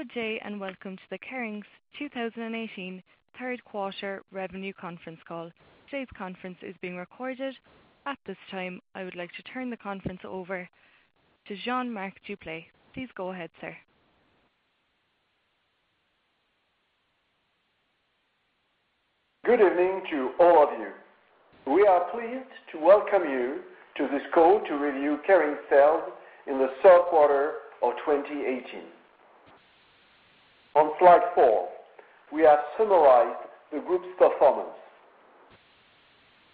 Good day, welcome to the Kering's 2018 third quarter revenue conference call. Today's conference is being recorded. At this time, I would like to turn the conference over to Jean-Marc Duplaix. Please go ahead, sir. Good evening to all of you. We are pleased to welcome you to this call to review Kering sales in the third quarter of 2018. On slide four, we have summarized the group's performance.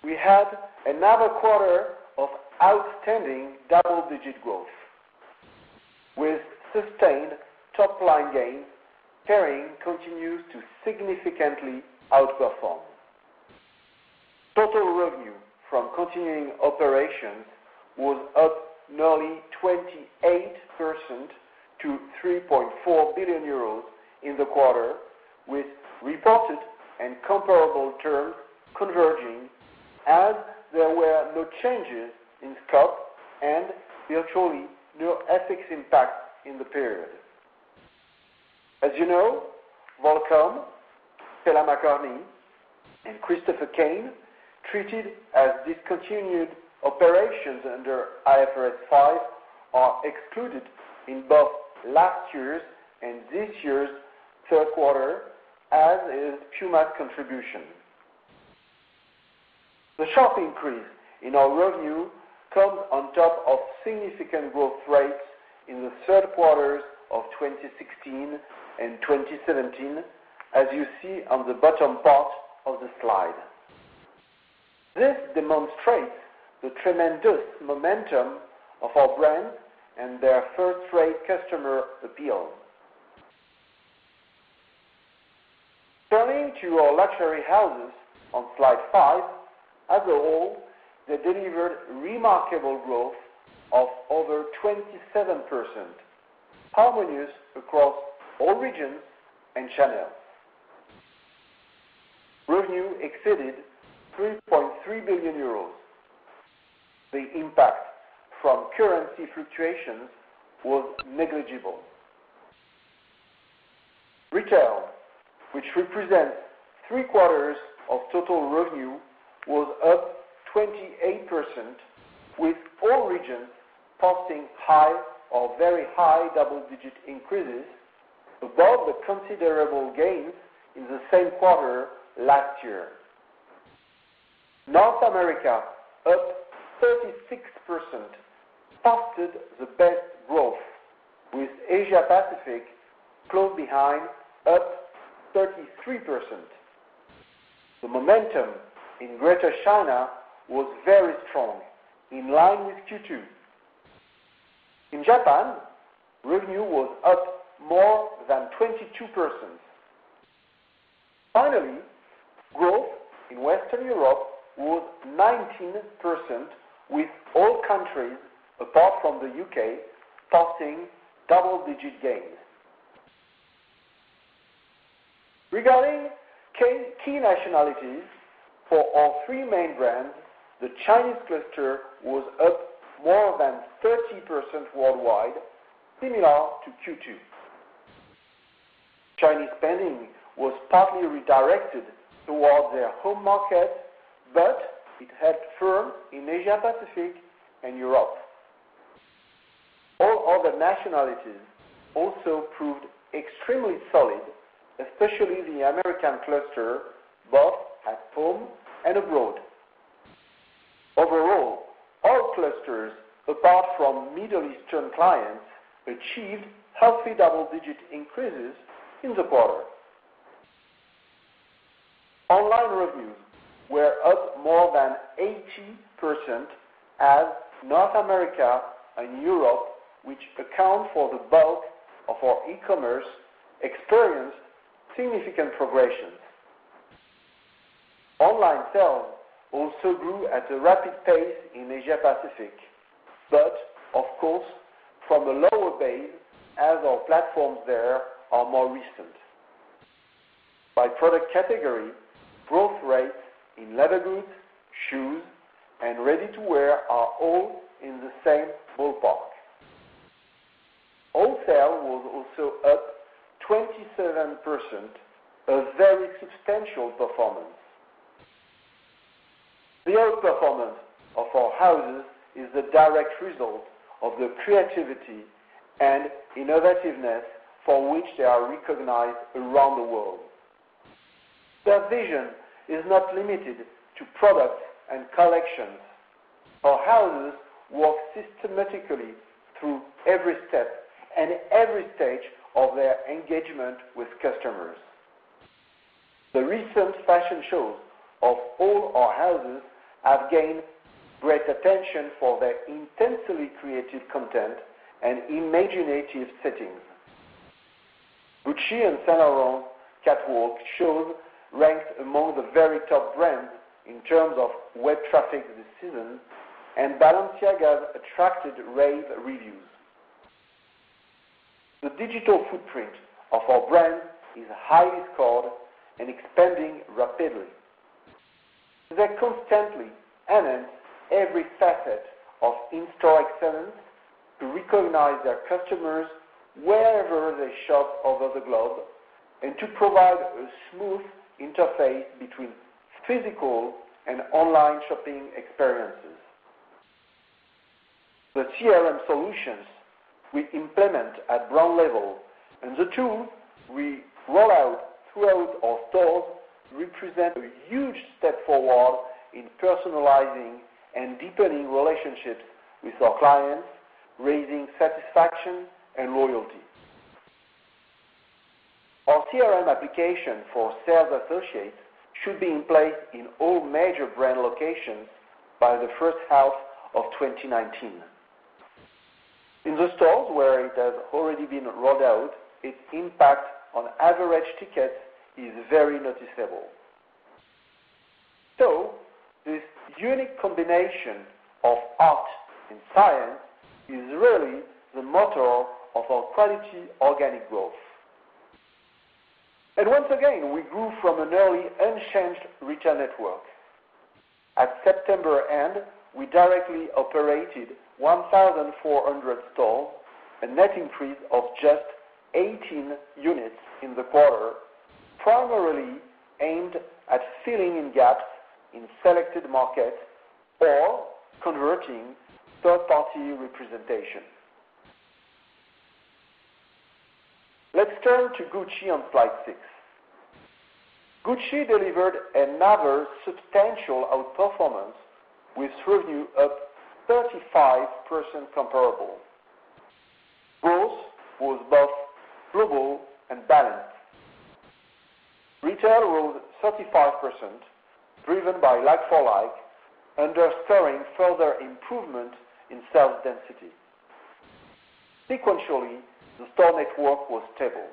We had another quarter of outstanding double-digit growth. With sustained top-line gains, Kering continues to significantly outperform. Total revenue from continuing operations was up nearly 28% to 3.4 billion euros in the quarter, with reported and comparable terms converging as there were no changes in scope and virtually no FX impact in the period. As you know, Volcom, Stella McCartney, and Christopher Kane, treated as discontinued operations under IFRS 5, are excluded in both last year's and this year's third quarter, as is Puma's contribution. The sharp increase in our revenue comes on top of significant growth rates in the third quarters of 2016 and 2017, as you see on the bottom part of the slide. This demonstrates the tremendous momentum of our brands and their first-rate customer appeal. Turning to our luxury houses on slide five, as a whole, they delivered remarkable growth of over 27%, harmonious across all regions and channels. Revenue exceeded 3.3 billion euros. The impact from currency fluctuations was negligible. Retail, which represents three-quarters of total revenue, was up 28%, with all regions posting high or very high double-digit increases above the considerable gains in the same quarter last year. North America, up 36%, posted the best growth, with Asia-Pacific close behind, up 33%. The momentum in Greater China was very strong, in line with Q2. In Japan, revenue was up more than 22%. Growth in Western Europe was 19%, with all countries, apart from the U.K., posting double-digit gains. Regarding key nationalities for our three main brands, the Chinese cluster was up more than 30% worldwide, similar to Q2. Chinese spending was partly redirected towards their home market, it held firm in Asia-Pacific and Europe. All other nationalities also proved extremely solid, especially the American cluster, both at home and abroad. Overall, all clusters, apart from Middle Eastern clients, achieved healthy double-digit increases in the quarter. Online revenues were up more than 80% as North America and Europe, which account for the bulk of our e-commerce, experienced significant progressions. Online sales also grew at a rapid pace in Asia-Pacific, of course, from a lower base as our platforms there are more recent. By product category, growth rates in leather goods, shoes, and ready-to-wear are all in the same ballpark. Wholesale was also up 27%, a very substantial performance. The out-performance of our houses is the direct result of the creativity and innovativeness for which they are recognized around the world. Their vision is not limited to products and collections. Our houses work systematically through every step and every stage of their engagement with customers. The recent fashion shows of all our houses have gained great attention for their intensely creative content and imaginative settings. Gucci and Saint Laurent catwalk shows ranked among the very top brands in terms of web traffic this season, and Balenciaga attracted rave reviews. The digital footprint of our brand is highly scored and expanding rapidly. They constantly enhance every facet of in-store excellence to recognize their customers wherever they shop over the globe, and to provide a smooth interface between physical and online shopping experiences. The CRM solutions we implement at brand level and the tools we roll out throughout our stores represent a huge step forward in personalizing and deepening relationships with our clients, raising satisfaction and loyalty. Our CRM application for sales associates should be in place in all major brand locations by the first half of 2019. In the stores where it has already been rolled out, its impact on average ticket is very noticeable. This unique combination of art and science is really the motto of our quality organic growth. Once again, we grew from an nearly unchanged retail network. At September end, we directly operated 1,400 stores, a net increase of just 18 units in the quarter, primarily aimed at filling in gaps in selected markets or converting third-party representation. Let's turn to Gucci on slide six. Gucci delivered another substantial outperformance with revenue up 35% comparable. Growth was both global and balanced. Retail rose 35%, driven by like-for-like, underscoring further improvement in sales density. Sequentially, the store network was stable.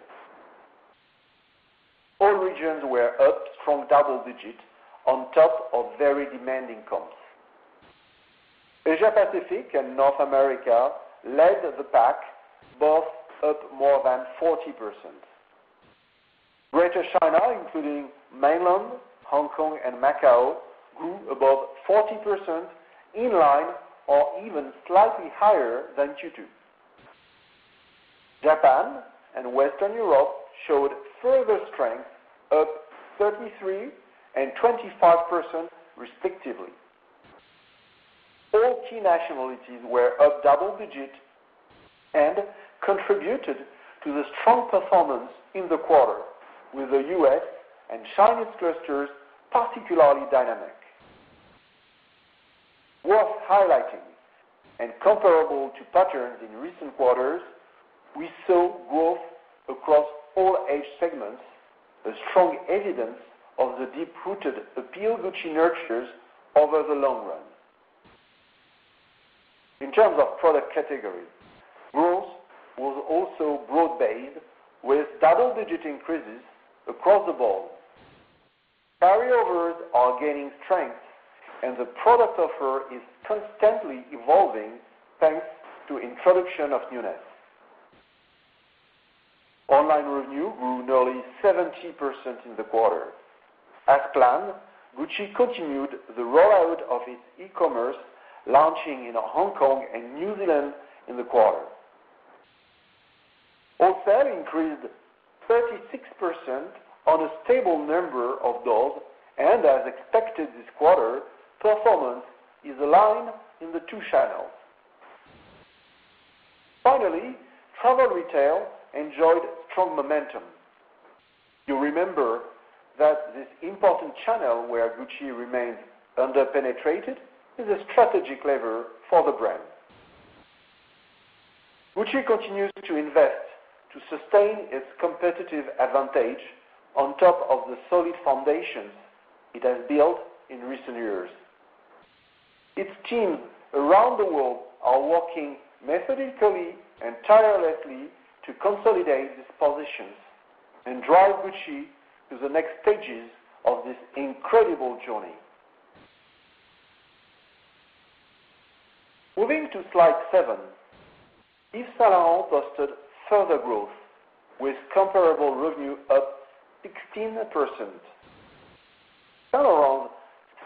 All regions were up strong double digit on top of very demanding comps. Asia Pacific and North America led the pack both up more than 40%. Greater China, including Mainland, Hong Kong, and Macau, grew above 40% in line or even slightly higher than Q2. Japan and Western Europe showed further strength up 33% and 25% respectively. All key nationalities were up double digit and contributed to the strong performance in the quarter with the U.S. and Chinese clusters, particularly dynamic. Worth highlighting and comparable to patterns in recent quarters, we saw growth across all age segments, a strong evidence of the deep-rooted appeal Gucci nurtures over the long run. In terms of product category, growth was also broad-based with double-digit increases across the board. Carryovers are gaining strength, and the product offer is constantly evolving, thanks to introduction of newness. Online revenue grew nearly 70% in the quarter. As planned, Gucci continued the rollout of its e-commerce, launching in Hong Kong and New Zealand in the quarter. Wholesale increased 36% on a stable number of doors, and as expected this quarter, performance is aligned in the two channels. Finally, travel retail enjoyed strong momentum. You remember that this important channel where Gucci remains under-penetrated is a strategic lever for the brand. Gucci continues to invest to sustain its competitive advantage on top of the solid foundations it has built in recent years. Its teams around the world are working methodically and tirelessly to consolidate its positions and drive Gucci to the next stages of this incredible journey. Moving to slide seven, Yves Saint Laurent posted further growth with comparable revenue up 16%. Saint Laurent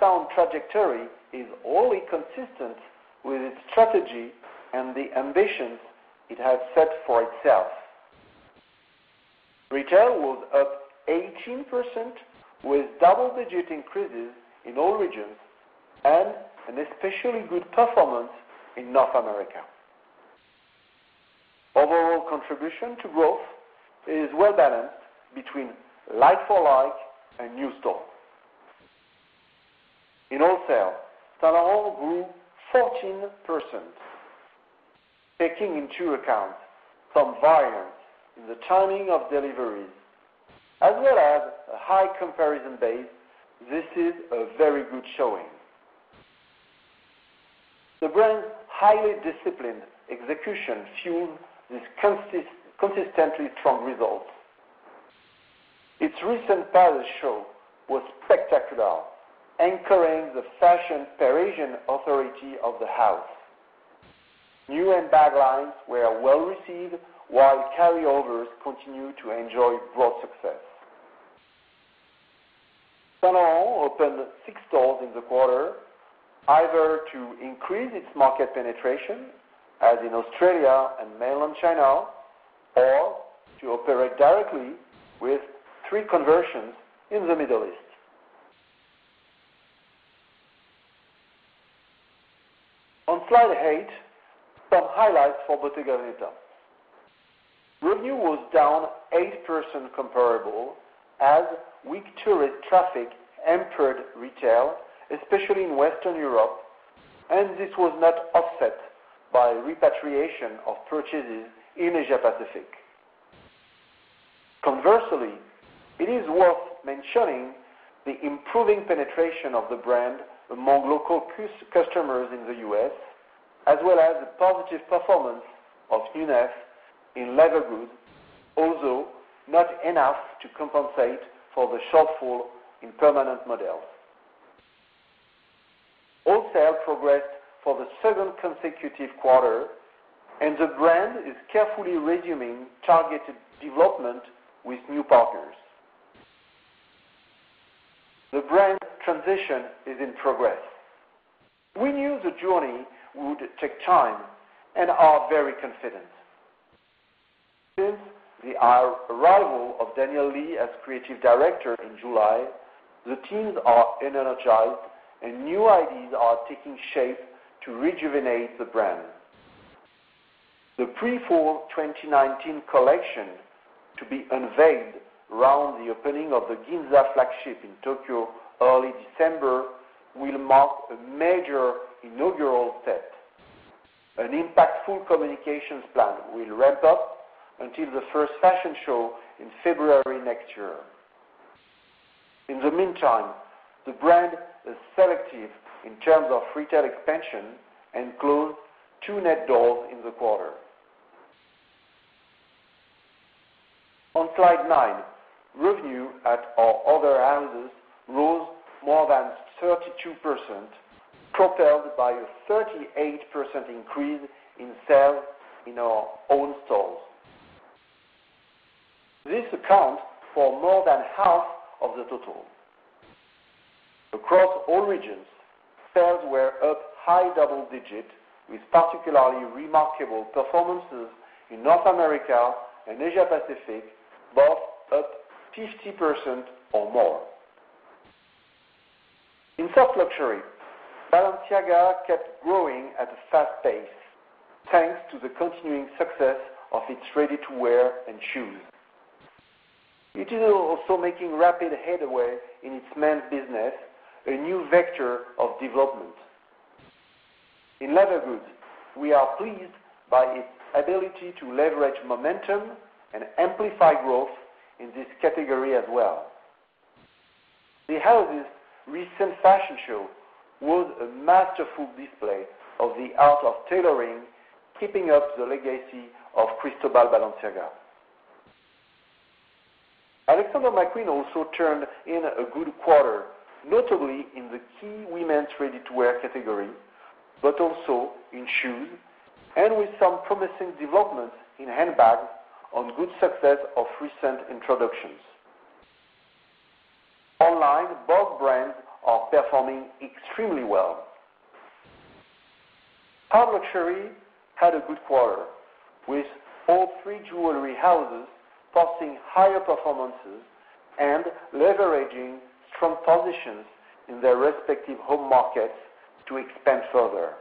sound trajectory is wholly consistent with its strategy and the ambitions it has set for itself. Retail was up 18% with double-digit increases in all regions and an especially good performance in North America. Overall contribution to growth is well-balanced between like-for-like and new store. In wholesale, Saint Laurent grew 14%, taking into account some variance in the timing of deliveries, as well as a high comparison base, this is a very good showing. The brand's highly disciplined execution fueled this consistently strong result. Its recent Paris show was spectacular, anchoring the fashion Parisian authority of the house. New and bag lines were well-received while carryovers continue to enjoy broad success. Saint Laurent opened six stores in the quarter, either to increase its market penetration, as in Australia and mainland China, or to operate directly with three conversions in the Middle East. On slide eight, some highlights for Bottega Veneta. Revenue was down 8% comparable as weak tourist traffic hampered retail, especially in Western Europe, and this was not offset by repatriation of purchases in Asia-Pacific. Conversely, it is worth mentioning the improving penetration of the brand among local customers in the U.S., as well as the positive performance of newness in leather goods, although not enough to compensate for the shortfall in permanent models. Wholesale progressed for the second consecutive quarter. The brand is carefully resuming targeted development with new partners. The brand transition is in progress. We knew the journey would take time and are very confident. Since the arrival of Daniel Lee as creative director in July, the teams are energized, and new ideas are taking shape to rejuvenate the brand. The Pre-Fall 2019 collection, to be unveiled around the opening of the Ginza flagship in Tokyo early December, will mark a major inaugural step. An impactful communications plan will ramp up until the first fashion show in February next year. In the meantime, the brand is selective in terms of retail expansion and closed two net doors in the quarter. On slide nine, revenue at our other houses rose more than 32%, propelled by a 38% increase in sales in our own stores. This accounts for more than half of the total. Across all regions, sales were up high double digits with particularly remarkable performances in North America and Asia-Pacific, both up 50% or more. In soft luxury, Balenciaga kept growing at a fast pace thanks to the continuing success of its ready-to-wear and shoes. It is also making rapid headway in its men's business, a new vector of development. In leather goods, we are pleased by its ability to leverage momentum and amplify growth in this category as well. The house's recent fashion show was a masterful display of the art of tailoring, keeping up the legacy of Cristóbal Balenciaga. Alexander McQueen also turned in a good quarter, notably in the key women's ready-to-wear category, but also in shoes and with some promising developments in handbags on good success of recent introductions. Online, both brands are performing extremely well. Hard luxury had a good quarter, with all three jewelry houses posting higher performances and leveraging strong positions in their respective home markets to expand further.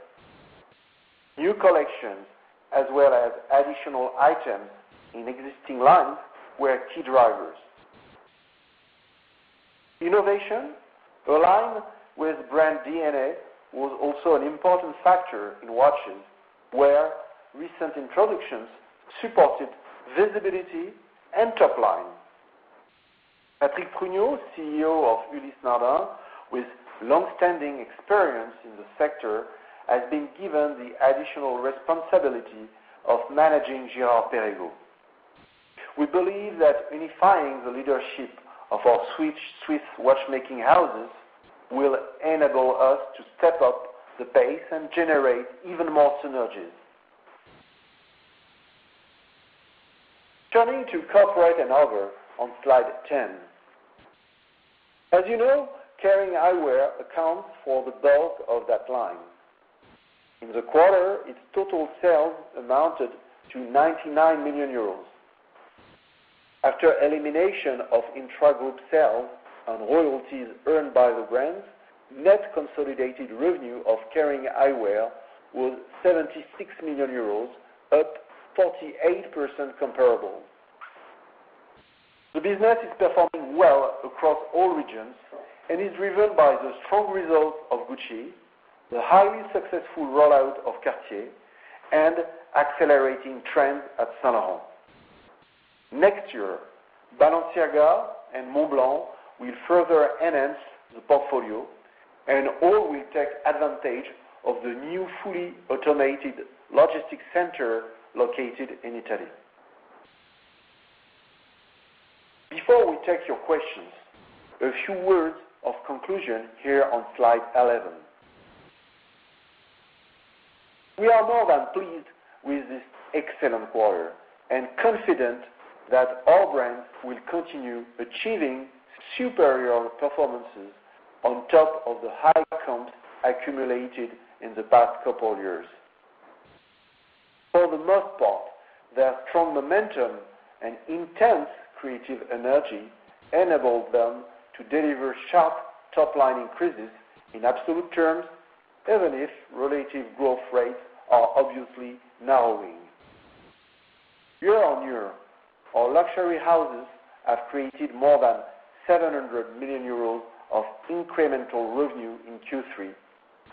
New collections as well as additional items in existing lines were key drivers. Innovation aligned with brand DNA was also an important factor in watches, where recent introductions supported visibility and top line. Patrick Pruniaux, CEO of Ulysse Nardin, with longstanding experience in the sector, has been given the additional responsibility of managing Girard-Perregaux. We believe that unifying the leadership of our Swiss watchmaking houses will enable us to step up the pace and generate even more synergies. Turning to Corporate and Other on slide 10. As you know, Kering Eyewear accounts for the bulk of that line. In the quarter, its total sales amounted to 99 million euros. After elimination of intragroup sales and royalties earned by the brands, net consolidated revenue of Kering Eyewear was 76 million euros, up 48% comparable. The business is performing well across all regions and is driven by the strong results of Gucci, the highly successful rollout of Cartier, and accelerating trends at Saint Laurent. Next year, Balenciaga and Montblanc will further enhance the portfolio. All will take advantage of the new fully automated logistics center located in Italy. Before we take your questions, a few words of conclusion here on slide 11. We are more than pleased with this excellent quarter and confident that our brands will continue achieving superior performances on top of the high accounts accumulated in the past couple years. For the most part, their strong momentum and intense creative energy enabled them to deliver sharp top-line increases in absolute terms, even if relative growth rates are obviously narrowing. Year-on-year, our luxury houses have created more than 700 million euros of incremental revenue in Q3,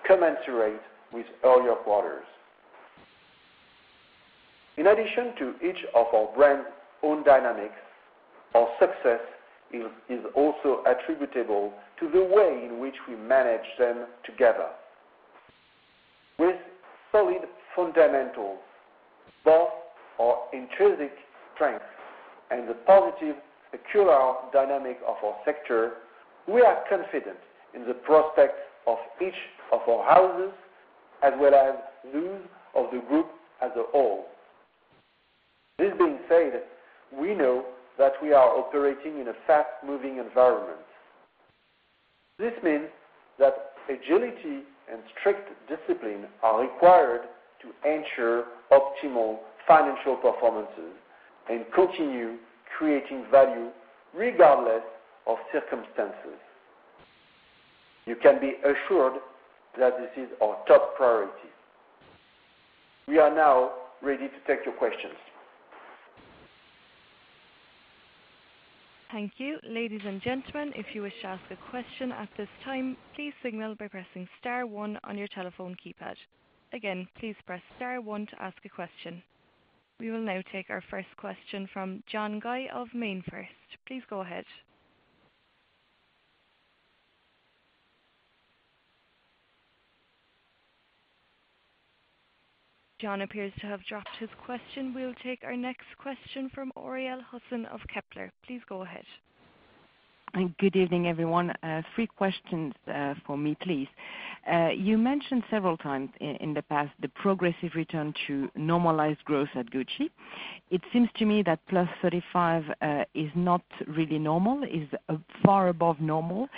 commensurate with earlier quarters. In addition to each of our brand's own dynamics, our success is also attributable to the way in which we manage them together. With solid fundamentals, both our intrinsic strength and the positive secular dynamic of our sector, we are confident in the prospects of each of our houses, as well as those of the group as a whole. This being said, we know that we are operating in a fast-moving environment. This means that agility and strict discipline are required to ensure optimal financial performances and continue creating value regardless of circumstances. You can be assured that this is our top priority. We are now ready to take your questions. Thank you. Ladies and gentlemen, if you wish to ask a question at this time, please signal by pressing star one on your telephone keypad. Again, please press star one to ask a question. We will now take our first question from John Guy of MainFirst. Please go ahead. John appears to have dropped his question. We'll take our next question from Aurélie Husson of Kepler. Please go ahead. Good evening, everyone. Three questions for me, please. You mentioned several times in the past the progressive return to normalized growth at Gucci. It seems to me that +35% is not really normal, is far above normal.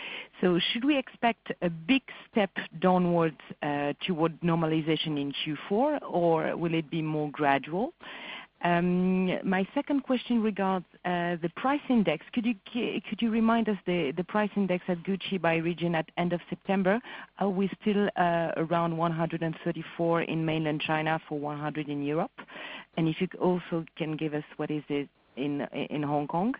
Should we expect a big step downwards towards normalization in Q4, or will it be more gradual? My second question regards the price index. Could you remind us the price index at Gucci by region at end of September? Are we still around 134 in mainland China for 100 in Europe? If you also can give us what is it in Hong Kong?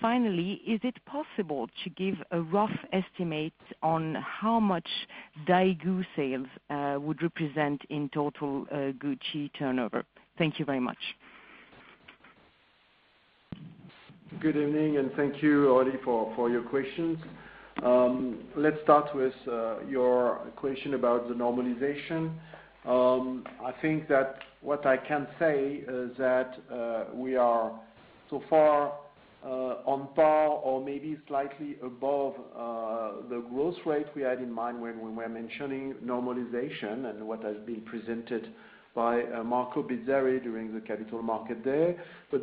Finally, is it possible to give a rough estimate on how much Daigou sales would represent in total Gucci turnover? Thank you very much. Good evening, thank you, Aurélie, for your questions. Let's start with your question about the normalization. I think that what I can say is that we are so far on par or maybe slightly above the growth rate we had in mind when we were mentioning normalization and what has been presented by Marco Bizzarri during the Capital Market Day.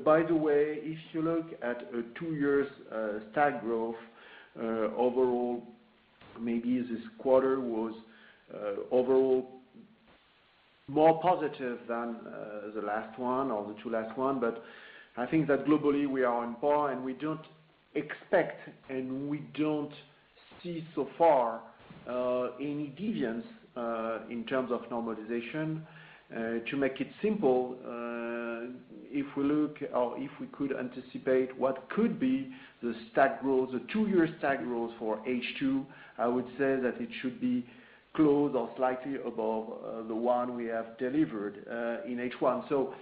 By the way, if you look at a two years stack growth overall, maybe this quarter was overall more positive than the last one or the two last ones, but I think that globally we are on par we don't expect, we don't see so far any deviance in terms of normalization. To make it simple, if we could anticipate what could be the two year stack growth for H2, I would say that it should be close or slightly above the one we have delivered in H1. So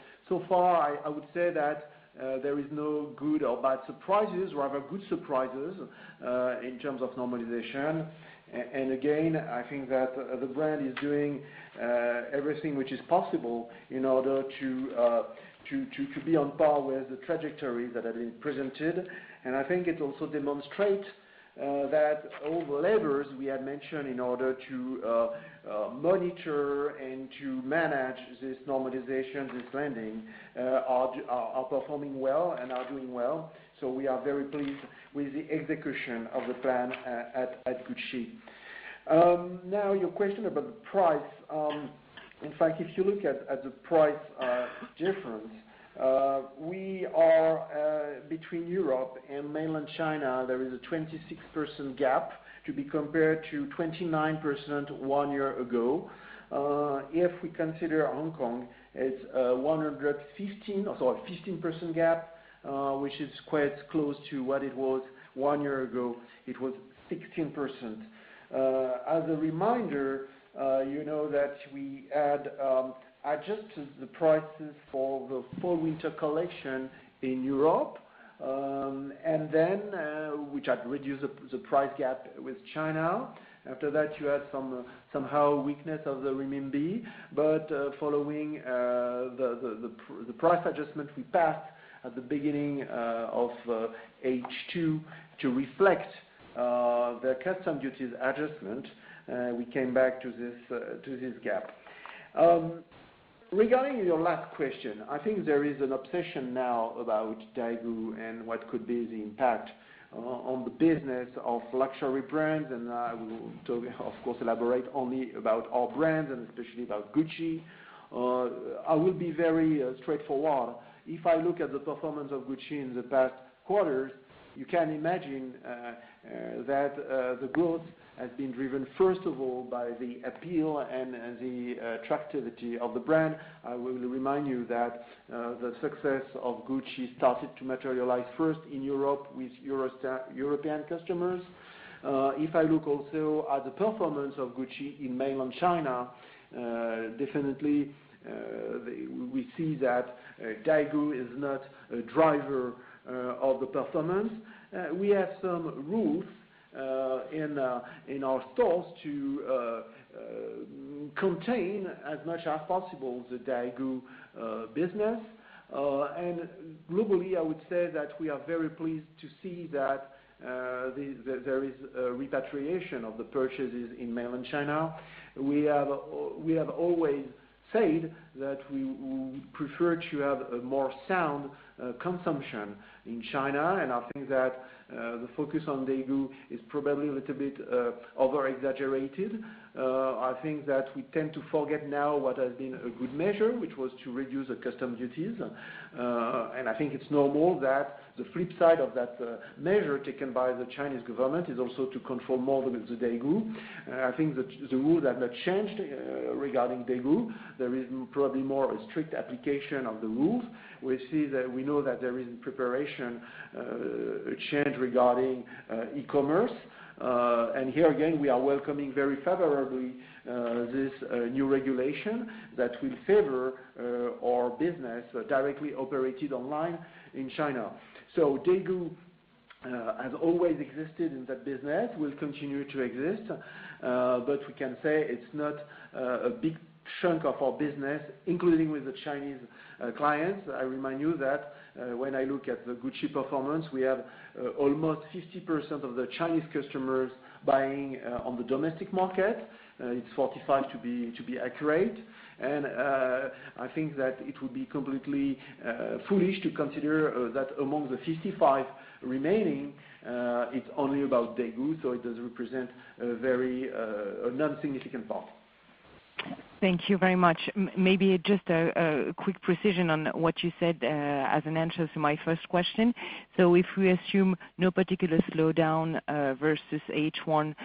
far, I would say that there is no good or bad surprises, rather good surprises in terms of normalization. Again, I think that the brand is doing everything which is possible in order to be on par with the trajectory that had been presented. I think it also demonstrates that all the levers we had mentioned in order to monitor and to manage this normalization, this landing are performing well and are doing well. We are very pleased with the execution of the plan at Gucci. Now, your question about the price. In fact, if you look at the price difference between Europe and mainland China, there is a 26% gap to be compared to 29% one year ago. If we consider Hong Kong, it's a 15% gap, which is quite close to what it was one year ago. It was 16%. As a reminder, you know that we had adjusted the prices for the fall-winter collection in Europe, which had reduced the price gap with China. After that, you had somehow weakness of the CNY, following the price adjustment we passed at the beginning of H2 to reflect the custom duties adjustment, we came back to this gap. Regarding your last question, I think there is an obsession now about Daigou and what could be the impact on the business of luxury brands. I will, of course, elaborate only about our brands and especially about Gucci. I will be very straightforward. If I look at the performance of Gucci in the past quarters, you can imagine that the growth has been driven, first of all, by the appeal and the attractivity of the brand. I will remind you that the success of Gucci started to materialize first in Europe with European customers. If I look also at the performance of Gucci in mainland China, definitely, we see that Daigou is not a driver of the performance. We have some rules in our stores to contain as much as possible the Daigou business. Globally, I would say that we are very pleased to see that there is a repatriation of the purchases in mainland China. We have always said that we prefer to have a more sound consumption in China, I think that the focus on Daigou is probably a little bit over-exaggerated. I think that we tend to forget now what has been a good measure, which was to reduce the custom duties. I think it's normal that the flip side of that measure taken by the Chinese government is also to control more the Daigou. I think that the rules have not changed regarding Daigou. There is probably more strict application of the rules. We know that there is preparation change regarding e-commerce. Here again, we are welcoming very favorably this new regulation that will favor our business directly operated online in China. Daigou has always existed in that business, will continue to exist. We can say it's not a big chunk of our business, including with the Chinese clients. I remind you that when I look at the Gucci performance, we have almost 50% of the Chinese customers buying on the domestic market. It's 45 to be accurate. I think that it would be completely foolish to consider that among the 55 remaining, it's only about Daigou, it does represent a non-significant part. Thank you very much. Maybe just a quick precision on what you said as an answer to my first question. If we assume no particular slowdown versus H1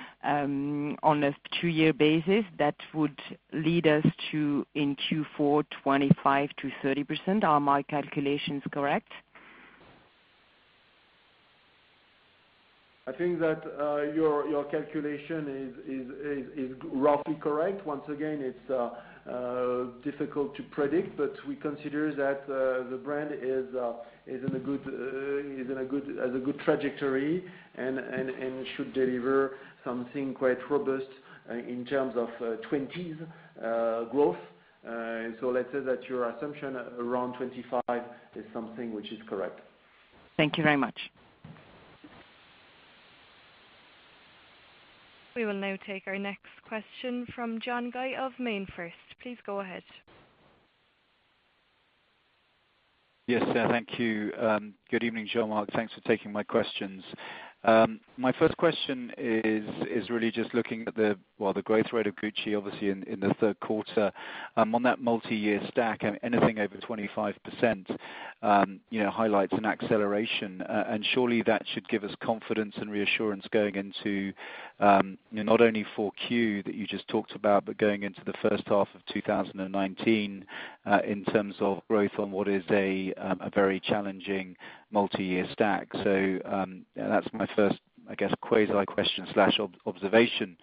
on a two-year basis, that would lead us to, in Q4, 25%-30%. Are my calculations correct? I think that your calculation is roughly correct. Once again, it's difficult to predict, but we consider that the brand has a good trajectory and should deliver something quite robust in terms of 20s growth. Let's say that your assumption around 25 is something which is correct. Thank you very much. We will now take our next question from John Guy of MainFirst. Please go ahead. Yes. Thank you. Good evening, Jean-Marc. Thanks for taking my questions. My first question is really just looking at the growth rate of Gucci, obviously, in the third quarter. On that multi-year stack, anything over 25% highlights an acceleration. Surely that should give us confidence and reassurance going into, not only 4Q that you just talked about, but going into the first half of 2019 in terms of growth on what is a very challenging multi-year stack. That's my first, I guess, quasi-question/observation.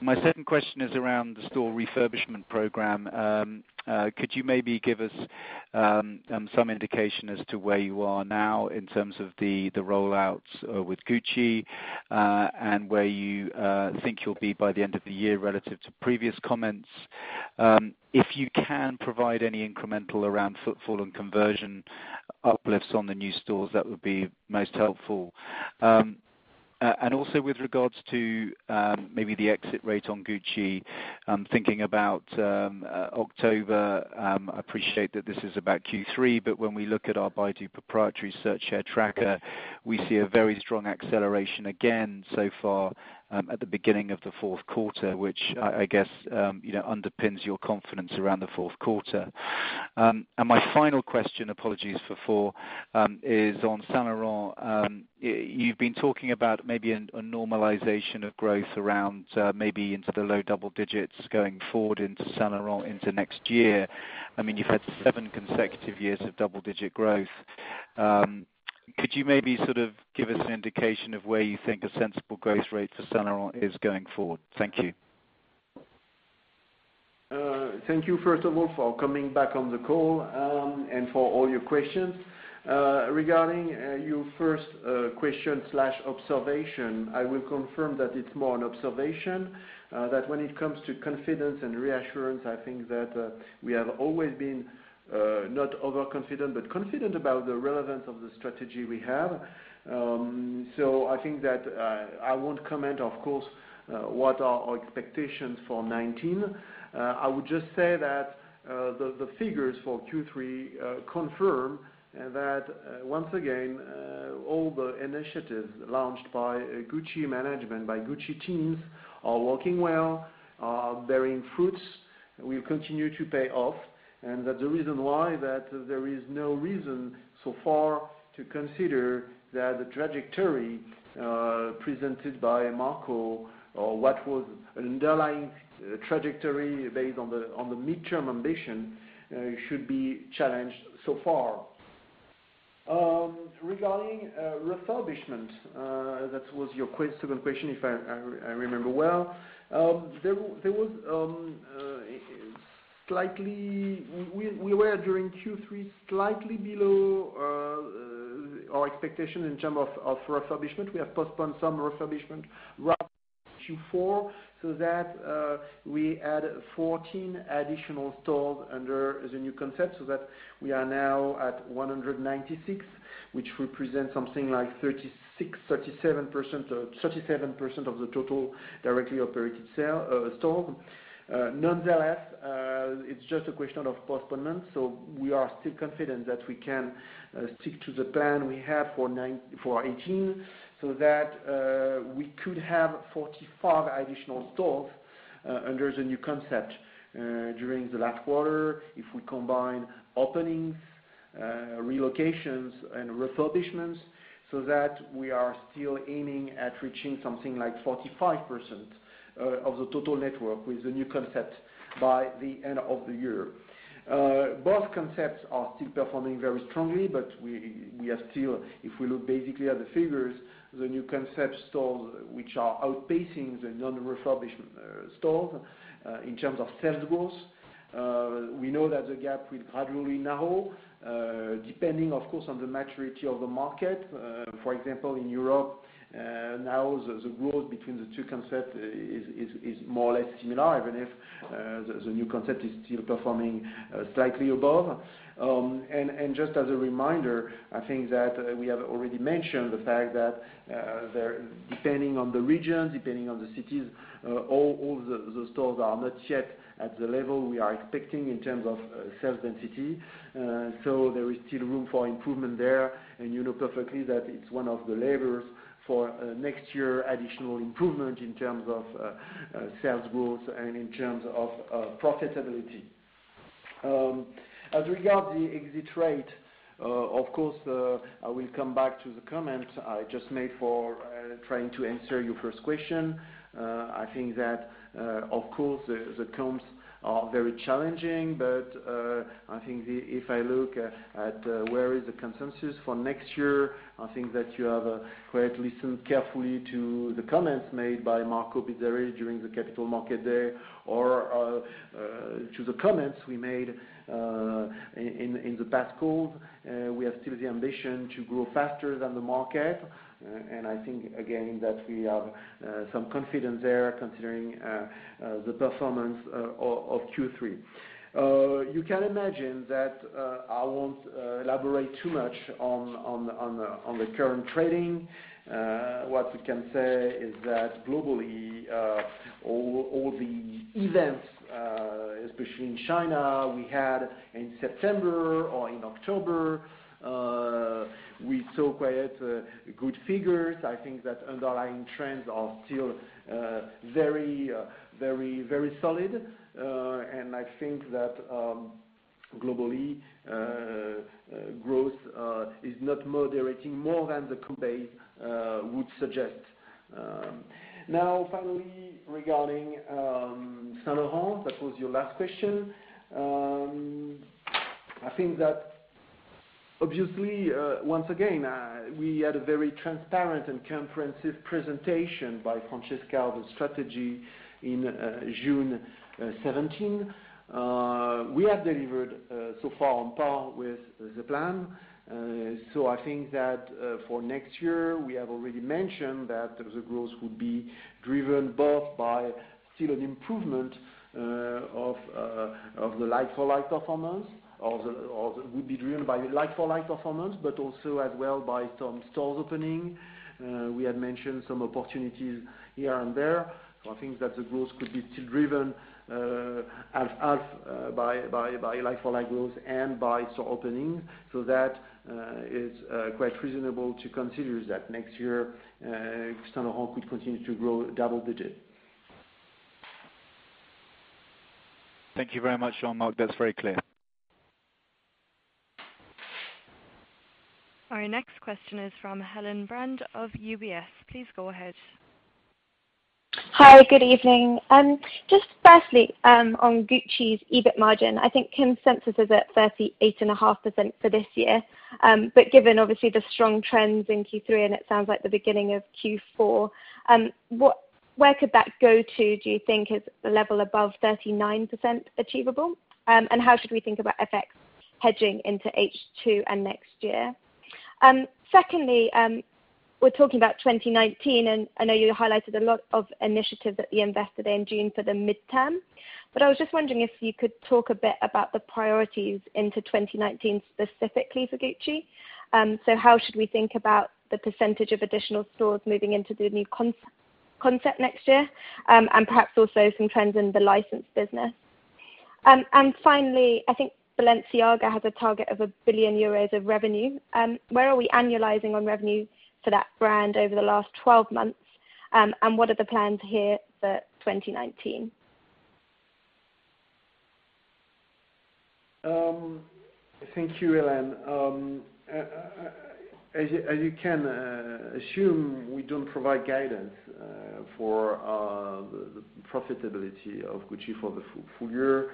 My second question is around the store refurbishment program. Could you maybe give us some indication as to where you are now in terms of the rollouts with Gucci? Where you think you'll be by the end of the year relative to previous comments? If you can provide any incremental around footfall and conversion uplifts on the new stores, that would be most helpful. With regards to maybe the exit rate on Gucci, I'm thinking about October. I appreciate that this is about Q3, but when we look at our Baidu proprietary search share tracker, we see a very strong acceleration again so far at the beginning of the fourth quarter, which I guess underpins your confidence around the fourth quarter. My final question, apologies for 4, is on Saint Laurent. You've been talking about maybe a normalization of growth around maybe into the low double digits going forward into Saint Laurent into next year. You've had 7 consecutive years of double-digit growth. Could you maybe give us an indication of where you think a sensible growth rate for Saint Laurent is going forward? Thank you. Thank you, first of all, for coming back on the call, and for all your questions. Regarding your first question/observation, I will confirm that it's more an observation. When it comes to confidence and reassurance, I think that we have always been not overconfident, but confident about the relevance of the strategy we have. I think that I won't comment, of course, what are our expectations for 2019. I would just say that the figures for Q3 confirm that once again, all the initiatives launched by Gucci management, by Gucci teams, are working well, are bearing fruits, will continue to pay off, and that the reason why that there is no reason so far to consider that the trajectory presented by Marco, or what was an underlying trajectory based on the midterm ambition, should be challenged so far. Regarding refurbishment, that was your second question, if I remember well. We were, during Q3, slightly below our expectation in terms of refurbishment. We have postponed some refurbishment to Q4, so that we add 14 additional stores under the new concept, so that we are now at 196, which represents something like 36%-37% of the total directly operated stores. Nonetheless, it's just a question of postponement. We are still confident that we can stick to the plan we have for 2018, so that we could have 45 additional stores under the new concept during the last quarter if we combine openings, relocations, and refurbishments, so that we are still aiming at reaching something like 45% of the total network with the new concept by the end of the year. Both concepts are still performing very strongly, but we are still, if we look basically at the figures, the new concept stores, which are outpacing the non-refurbished stores in terms of sales growth. We know that the gap will gradually narrow, depending, of course, on the maturity of the market. For example, in Europe, now the growth between the two concepts is more or less similar, even if the new concept is still performing slightly above. Just as a reminder, I think that we have already mentioned the fact that depending on the region, depending on the cities, all the stores are not yet at the level we are expecting in terms of sales density. There is still room for improvement there, and you know perfectly that it's one of the levers for next year additional improvement in terms of sales growth and in terms of profitability. As regards the exit rate, of course, I will come back to the comment I just made for trying to answer your first question. I think that, of course, the comps are very challenging, but I think if I look at where is the consensus for next year, I think that you have quite listened carefully to the comments made by Marco Bizzarri during the Capital Market Day or to the comments we made in the past calls. We have still the ambition to grow faster than the market. I think, again, that we have some confidence there considering the performance of Q3. You can imagine that I won't elaborate too much on the current trading. What we can say is that globally, all the events, especially in China we had in September or in October, we saw quite good figures. I think that underlying trends are still very solid. I think that globally, growth is not moderating more than the compare would suggest. Now, finally, regarding Saint Laurent, that was your last question. I think that obviously, once again, we had a very transparent and comprehensive presentation by Francesca of the strategy in June 2017. We have delivered so far on par with the plan. I think that for next year, we have already mentioned that the growth will be driven both by still an improvement of the like-for-like performance, or would be driven by like-for-like performance, but also as well by some stores opening. We had mentioned some opportunities here and there. I think that the growth could be still driven half by like-for-like growth and by store opening. That is quite reasonable to consider that next year, Saint Laurent could continue to grow double-digit. Thank you very much, Jean-Marc. That's very clear. Our next question is from Helen Brand of UBS. Please go ahead. Hi, good evening. Firstly, on Gucci's EBIT margin, I think consensus is at 38.5% for this year. Given obviously the strong trends in Q3, and it sounds like the beginning of Q4, where could that go to? Do you think is a level above 39% achievable? How should we think about FX hedging into H2 and next year? Secondly, we're talking about 2019, and I know you highlighted a lot of initiatives that you invested in June for the midterm. I was just wondering if you could talk a bit about the priorities into 2019, specifically for Gucci. How should we think about the percentage of additional stores moving into the new concept next year? Perhaps also some trends in the licensed business. Finally, I think Balenciaga has a target of 1 billion euros of revenue. Where are we annualizing on revenue for that brand over the last 12 months, and what are the plans here for 2019? Thank you, Helen. As you can assume, we don't provide guidance for the profitability of Gucci for the full year.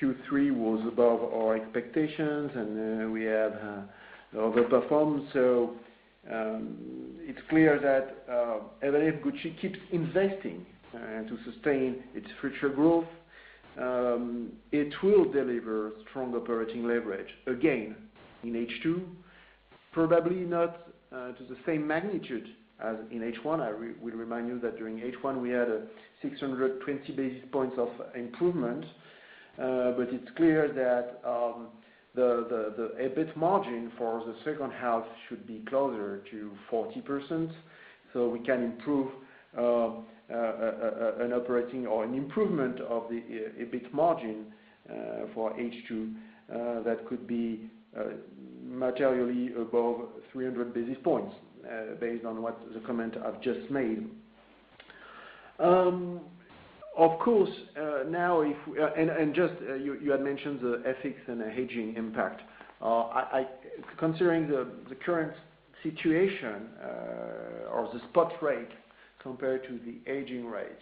Q3 was above our expectations, and we had overperformed. It's clear that even if Gucci keeps investing to sustain its future growth, it will deliver strong operating leverage again in H2, probably not to the same magnitude as in H1. I will remind you that during H1, we had a 620 basis points of improvement. It's clear that the EBIT margin for the second half should be closer to 40%. We can improve an operating or an improvement of the EBIT margin, for H2, that could be materially above 300 basis points, based on what the comment I've just made. You had mentioned the FX and the hedging impact. Considering the current situation, or the spot rate compared to the hedging rate,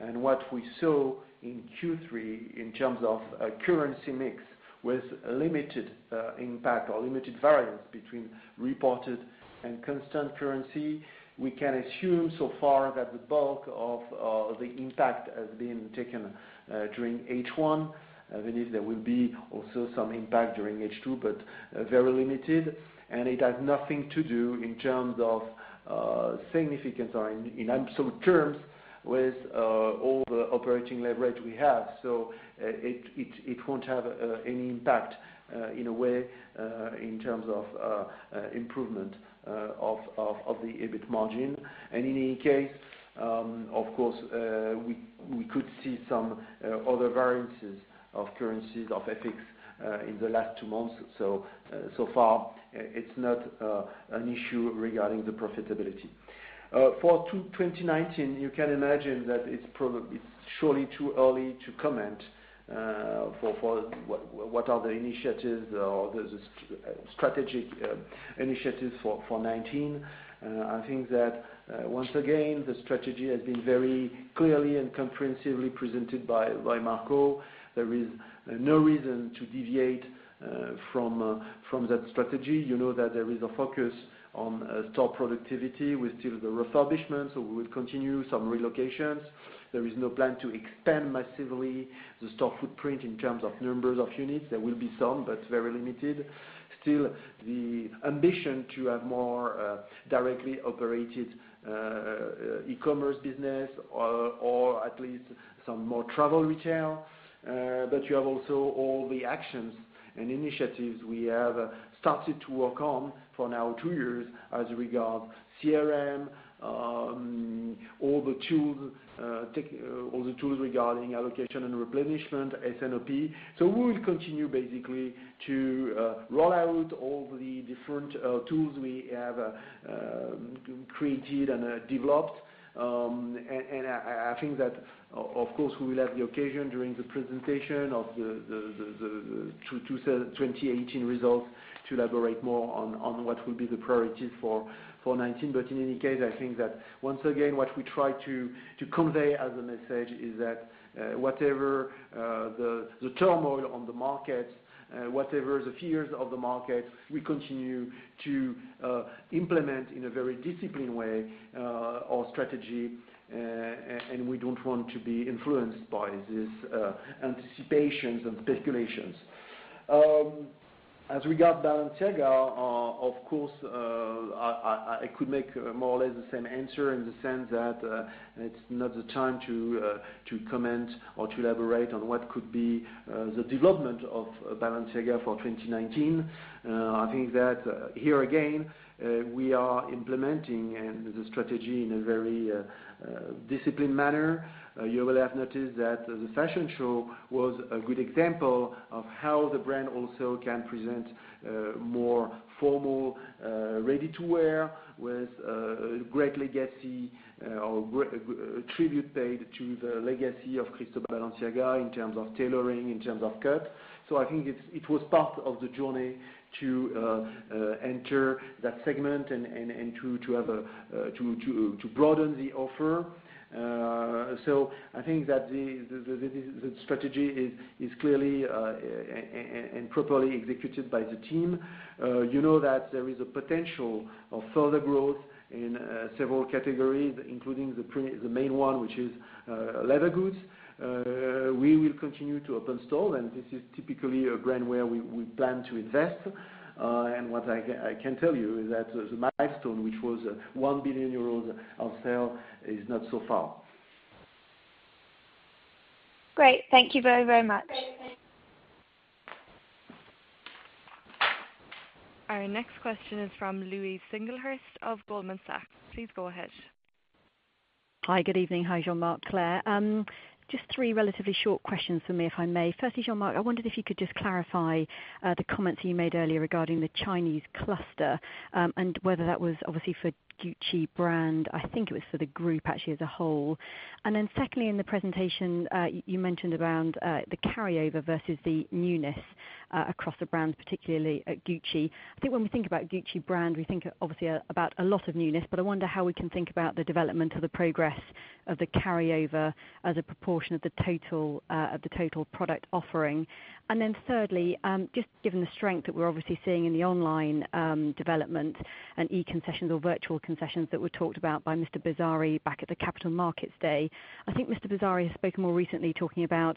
and what we saw in Q3 in terms of currency mix with limited impact or limited variance between reported and constant currency, we can assume so far that the bulk of the impact has been taken during H1. I believe there will be also some impact during H2, but very limited, and it has nothing to do in terms of significance or in absolute terms with all the operating leverage we have. It won't have any impact in a way, in terms of improvement of the EBIT margin. In any case, of course, we could see some other variances of currencies of FX in the last two months. So far, it's not an issue regarding the profitability. For 2019, you can imagine that it's surely too early to comment for what are the initiatives or the strategic initiatives for 2019. I think that once again, the strategy has been very clearly and comprehensively presented by Marco. There is no reason to deviate from that strategy. You know that there is a focus on store productivity with still the refurbishment, so we will continue some relocations. There is no plan to expand massively the store footprint in terms of numbers of units. There will be some, but very limited. Still, the ambition to have more directly operated e-commerce business or at least some more travel retail. You have also all the actions and initiatives we have started to work on for now two years as regard CRM, all the tools regarding allocation and replenishment, S&OP. We will continue basically to roll out all the different tools we have created and developed. I think that, of course, we will have the occasion during the presentation of the 2018 results to elaborate more on what will be the priorities for 2019. In any case, I think that once again, what we try to convey as a message is that whatever the turmoil on the market, whatever the fears of the market, we continue to implement in a very disciplined way our strategy, and we don't want to be influenced by these anticipations and speculations. As regard Balenciaga, of course, I could make more or less the same answer in the sense that it's not the time to comment or to elaborate on what could be the development of Balenciaga for 2019. I think that here again, we are implementing the strategy in a very disciplined manner. You will have noticed that the fashion show was a good example of how the brand also can present more formal ready-to-wear with a great legacy or tribute paid to the legacy of Cristóbal Balenciaga in terms of tailoring, in terms of cut. I think it was part of the journey to enter that segment and to broaden the offer. I think that the strategy is clearly and properly executed by the team. You know that there is a potential of further growth in several categories, including the main one, which is leather goods. We will continue to open store, and this is typically a brand where we plan to invest. What I can tell you is that the milestone, which was 1 billion euros of sale is not so far. Great. Thank you very much. Our next question is from Louise Singlehurst of Goldman Sachs. Please go ahead. Hi. Good evening. Hi, Jean-Marc, Claire. Just three relatively short questions from me, if I may. Firstly, Jean-Marc, I wondered if you could just clarify the comments you made earlier regarding the Chinese cluster and whether that was obviously for Gucci brand, I think it was for the group actually as a whole. Secondly, in the presentation, you mentioned around the carryover versus the newness across the brands, particularly at Gucci. I think when we think about Gucci brand, we think obviously about a lot of newness, but I wonder how we can think about the development or the progress of the carryover as a proportion of the total product offering. Thirdly, just given the strength that we're obviously seeing in the online development and e-concessions or virtual concessions that were talked about by Mr. Bizzarri back at the Capital Markets Day. I think Mr. Bizzarri has spoken more recently talking about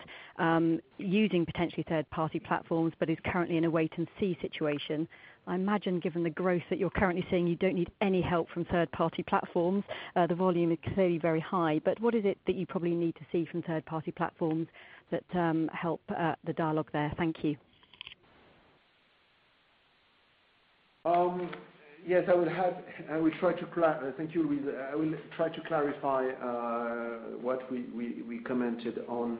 using potentially third-party platforms, but is currently in a wait-and-see situation. I imagine given the growth that you're currently seeing, you don't need any help from third-party platforms. The volume is clearly very high, but what is it that you probably need to see from third-party platforms that help the dialogue there? Thank you. Yes, thank you, Louise. I will try to clarify what we commented on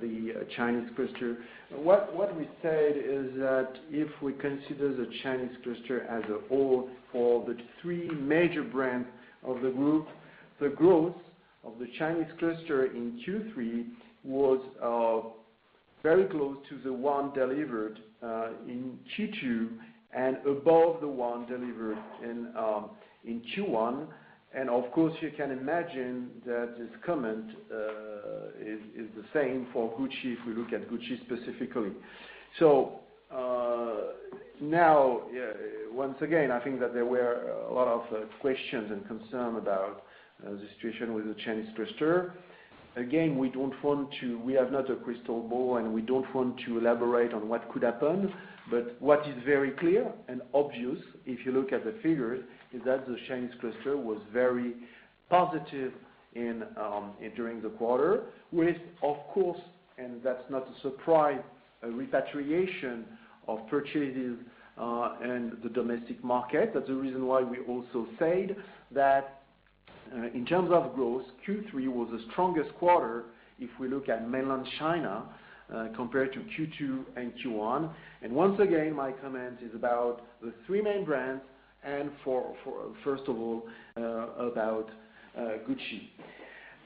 the Chinese cluster. What we said is that if we consider the Chinese cluster as a whole for the three major brands of the group, the growth of the Chinese cluster in Q3 was very close to the one delivered in Q2 and above the one delivered in Q1. Of course, you can imagine that this comment is the same for Gucci if we look at Gucci specifically. Now, once again, I think that there were a lot of questions and concern about the situation with the Chinese cluster. Again, we have not a crystal ball, and we don't want to elaborate on what could happen. What is very clear and obvious, if you look at the figures, is that the Chinese cluster was very positive during the quarter with, of course, and that's not a surprise, a repatriation of purchases in the domestic market. That's the reason why we also said that in terms of growth, Q3 was the strongest quarter if we look at mainland China compared to Q2 and Q1. Once again, my comment is about the three main brands and first of all about Gucci.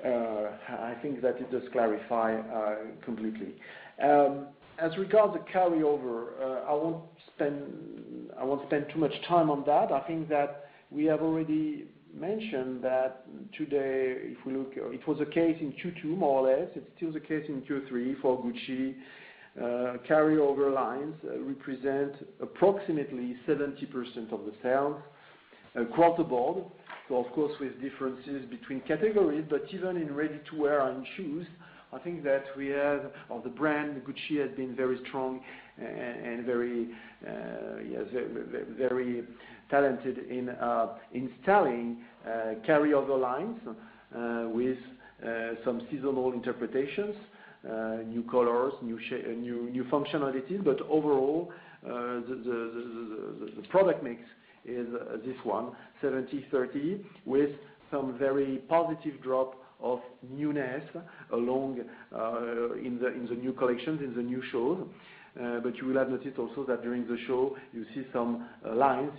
I think that it does clarify completely. As regard to carryover, I won't spend too much time on that. I think that we have already mentioned that today, it was the case in Q2, more or less, it's still the case in Q3 for Gucci, carryover lines represent approximately 70% of the sales across the board. Of course, with differences between categories, but even in ready-to-wear and shoes, I think that we have, or the brand Gucci has been very strong and very talented in selling carryover lines with some seasonal interpretations, new colors, new functionalities. Overall, the product mix is this one, 70/30, with some very positive drop of newness along in the new collections, in the new shows. You will have noticed also that during the show you see some lines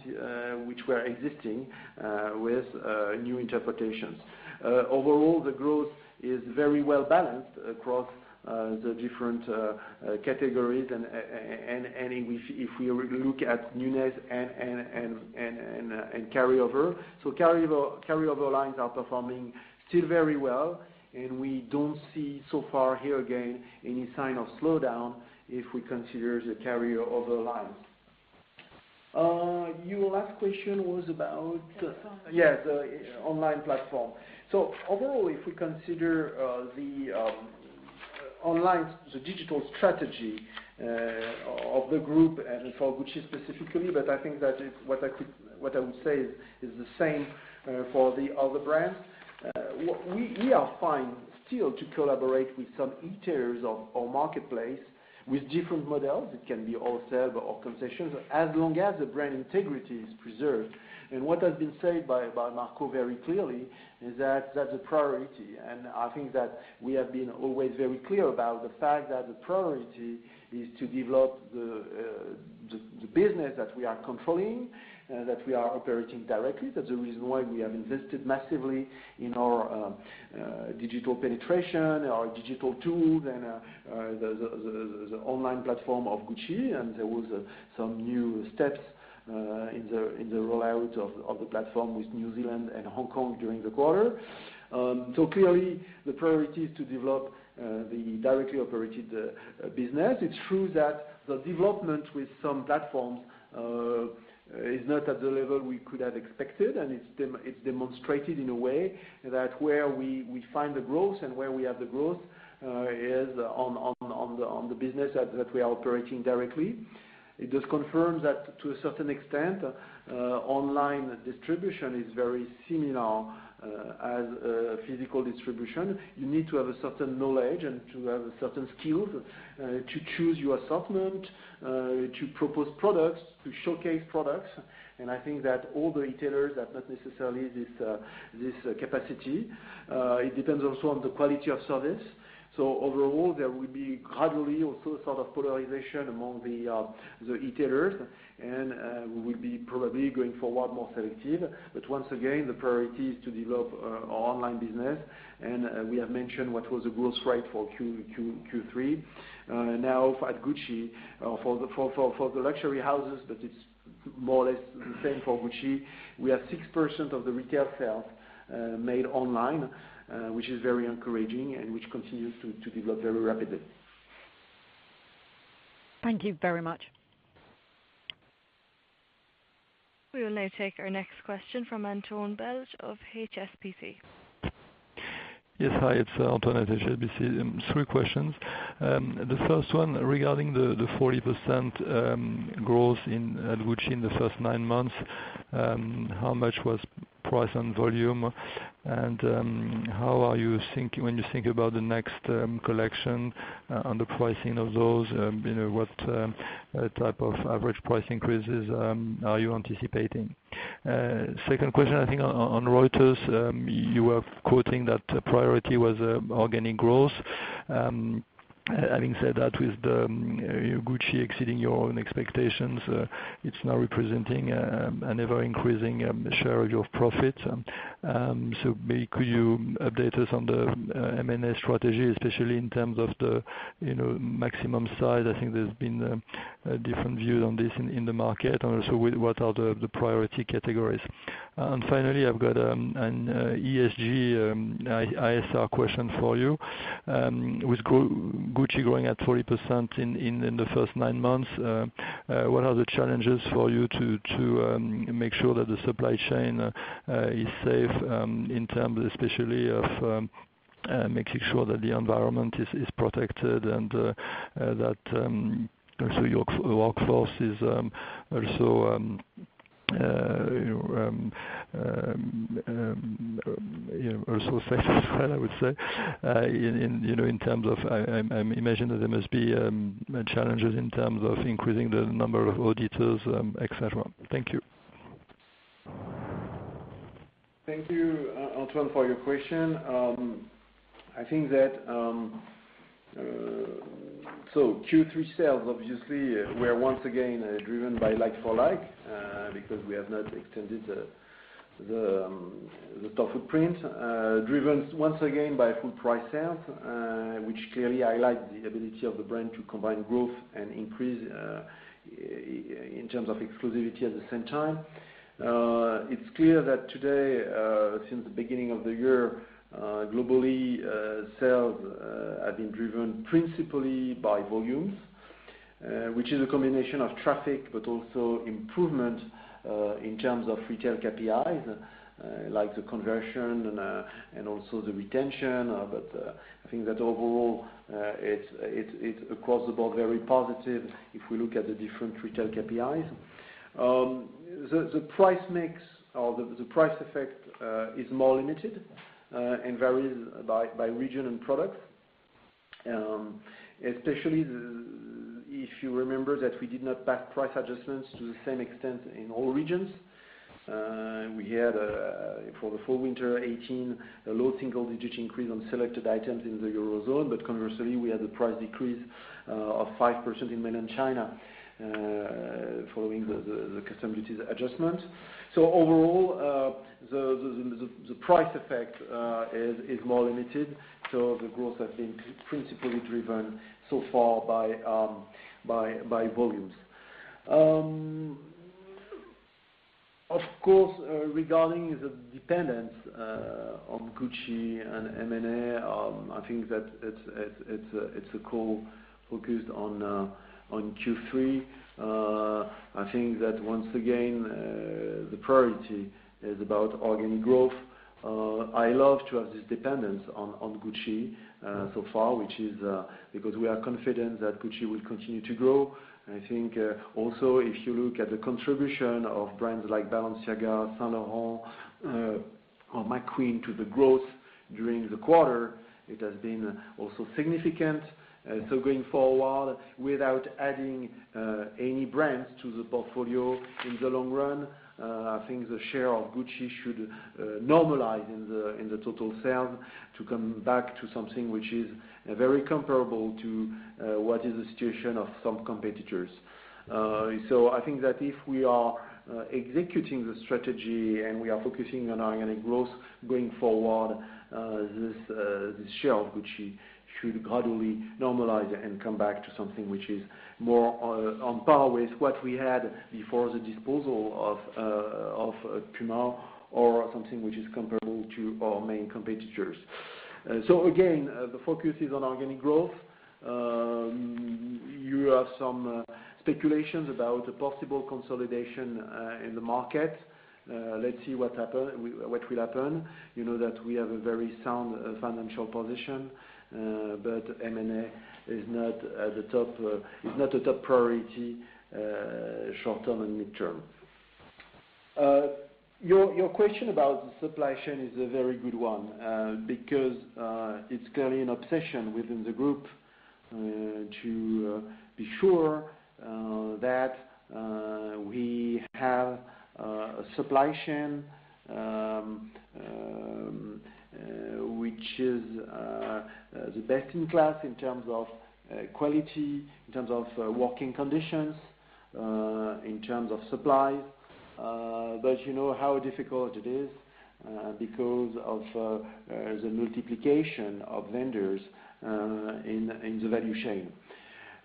which were existing with new interpretations. Overall, the growth is very well-balanced across the different categories, and if we look at newness and carryover. Carryover lines are performing still very well, and we don't see so far here, again, any sign of slowdown if we consider the carryover lines. Your last question was about. Platform. Yes, the online platform. Although if we consider the digital strategy of the group and for Gucci specifically, but I think that what I would say is the same for the other brands. We are fine still to collaborate with some etailers or marketplace with different models. It can be wholesale or concessions, as long as the brand integrity is preserved. What has been said by Marco very clearly is that that's a priority. I think that we have been always very clear about the fact that the priority is to develop the business that we are controlling, that we are operating directly. That's the reason why we have invested massively in our digital penetration, our digital tools, and the online platform of Gucci, and there was some new steps in the rollout of the platform with New Zealand and Hong Kong during the quarter. Clearly, the priority is to develop the directly operated business. It is true that the development with some platforms is not at the level we could have expected, and it is demonstrated in a way that where we find the growth and where we have the growth is on the business that we are operating directly. It just confirms that, to a certain extent, online distribution is very similar as physical distribution. You need to have a certain knowledge and to have certain skills to choose your assortment, to propose products, to showcase products, and I think that all the retailers have not necessarily this capacity. It depends also on the quality of service. Overall, there will be gradually also sort of polarization among the retailers, and we will be probably going forward more selective. Once again, the priority is to develop our online business, and we have mentioned what was the growth rate for Q3. Now at Gucci, for the luxury houses, that is more or less the same for Gucci. We have 6% of the retail sales made online, which is very encouraging and which continues to develop very rapidly. Thank you very much. We will now take our next question from Antoine Belge of HSBC. Yes. Hi, it's Antoine at HSBC. Three questions. The first one regarding the 40% growth at Gucci in the first nine months, how much was price on volume, when you think about the next collection on the pricing of those, what type of average price increases are you anticipating? Second question, I think on Reuters, you were quoting that priority was organic growth. Having said that, with Gucci exceeding your own expectations, it's now representing an ever-increasing share of your profit. Could you update us on the M&A strategy, especially in terms of the maximum size? I think there has been different views on this in the market. Also, what are the priority categories? Finally, I've got an ESG CSR question for you. With Gucci growing at 40% in the first nine months, what are the challenges for you to make sure that the supply chain is safe, in terms especially of making sure that the environment is protected and that also your workforce is also safe, I would say. I imagine that there must be challenges in terms of increasing the number of auditors, et cetera. Thank you. Thank you, Antoine, for your question. Q3 sales, obviously, were once again driven by like-for-like, because we have not extended the total print. Driven once again by full price sales, which clearly highlight the ability of the brand to combine growth and increase in terms of exclusivity at the same time. It's clear that today, since the beginning of the year, globally, sales have been driven principally by volumes, which is a combination of traffic, but also improvement in terms of retail KPIs like the conversion and also the retention. I think that overall, it's across the board very positive if we look at the different retail KPIs. The price effect is more limited and varies by region and product. Especially if you remember that we did not back price adjustments to the same extent in all regions. We had for the fall/winter 2018, a low single-digit increase on selected items in the Eurozone, but conversely, we had a price decrease of 5% in mainland China following the custom duties adjustment. Overall, the price effect is more limited. The growth has been principally driven so far by volumes. Regarding the dependence on Gucci and M&A, I think that it's a call focused on Q3. I love to have this dependence on Gucci so far. We are confident that Gucci will continue to grow. I think also, if you look at the contribution of brands like Balenciaga, Saint Laurent, or McQueen to the growth during the quarter, it has been also significant. Going forward, without adding any brands to the portfolio in the long run, I think the share of Gucci should normalize in the total sales to come back to something which is very comparable to what is the situation of some competitors. I think that if we are executing the strategy and we are focusing on organic growth going forward, this share of Gucci should gradually normalize and come back to something which is more on par with what we had before the disposal of Puma, or something which is comparable to our main competitors. Again, the focus is on organic growth. You have some speculations about the possible consolidation in the market. Let's see what will happen. You know that we have a very sound financial position, but M&A is not a top priority short-term and mid-term. Your question about the supply chain is a very good one because it's clearly an obsession within the group to be sure that we have a supply chain, which is the best-in-class in terms of quality, in terms of working conditions, in terms of supply. You know how difficult it is because of the multiplication of vendors in the value chain.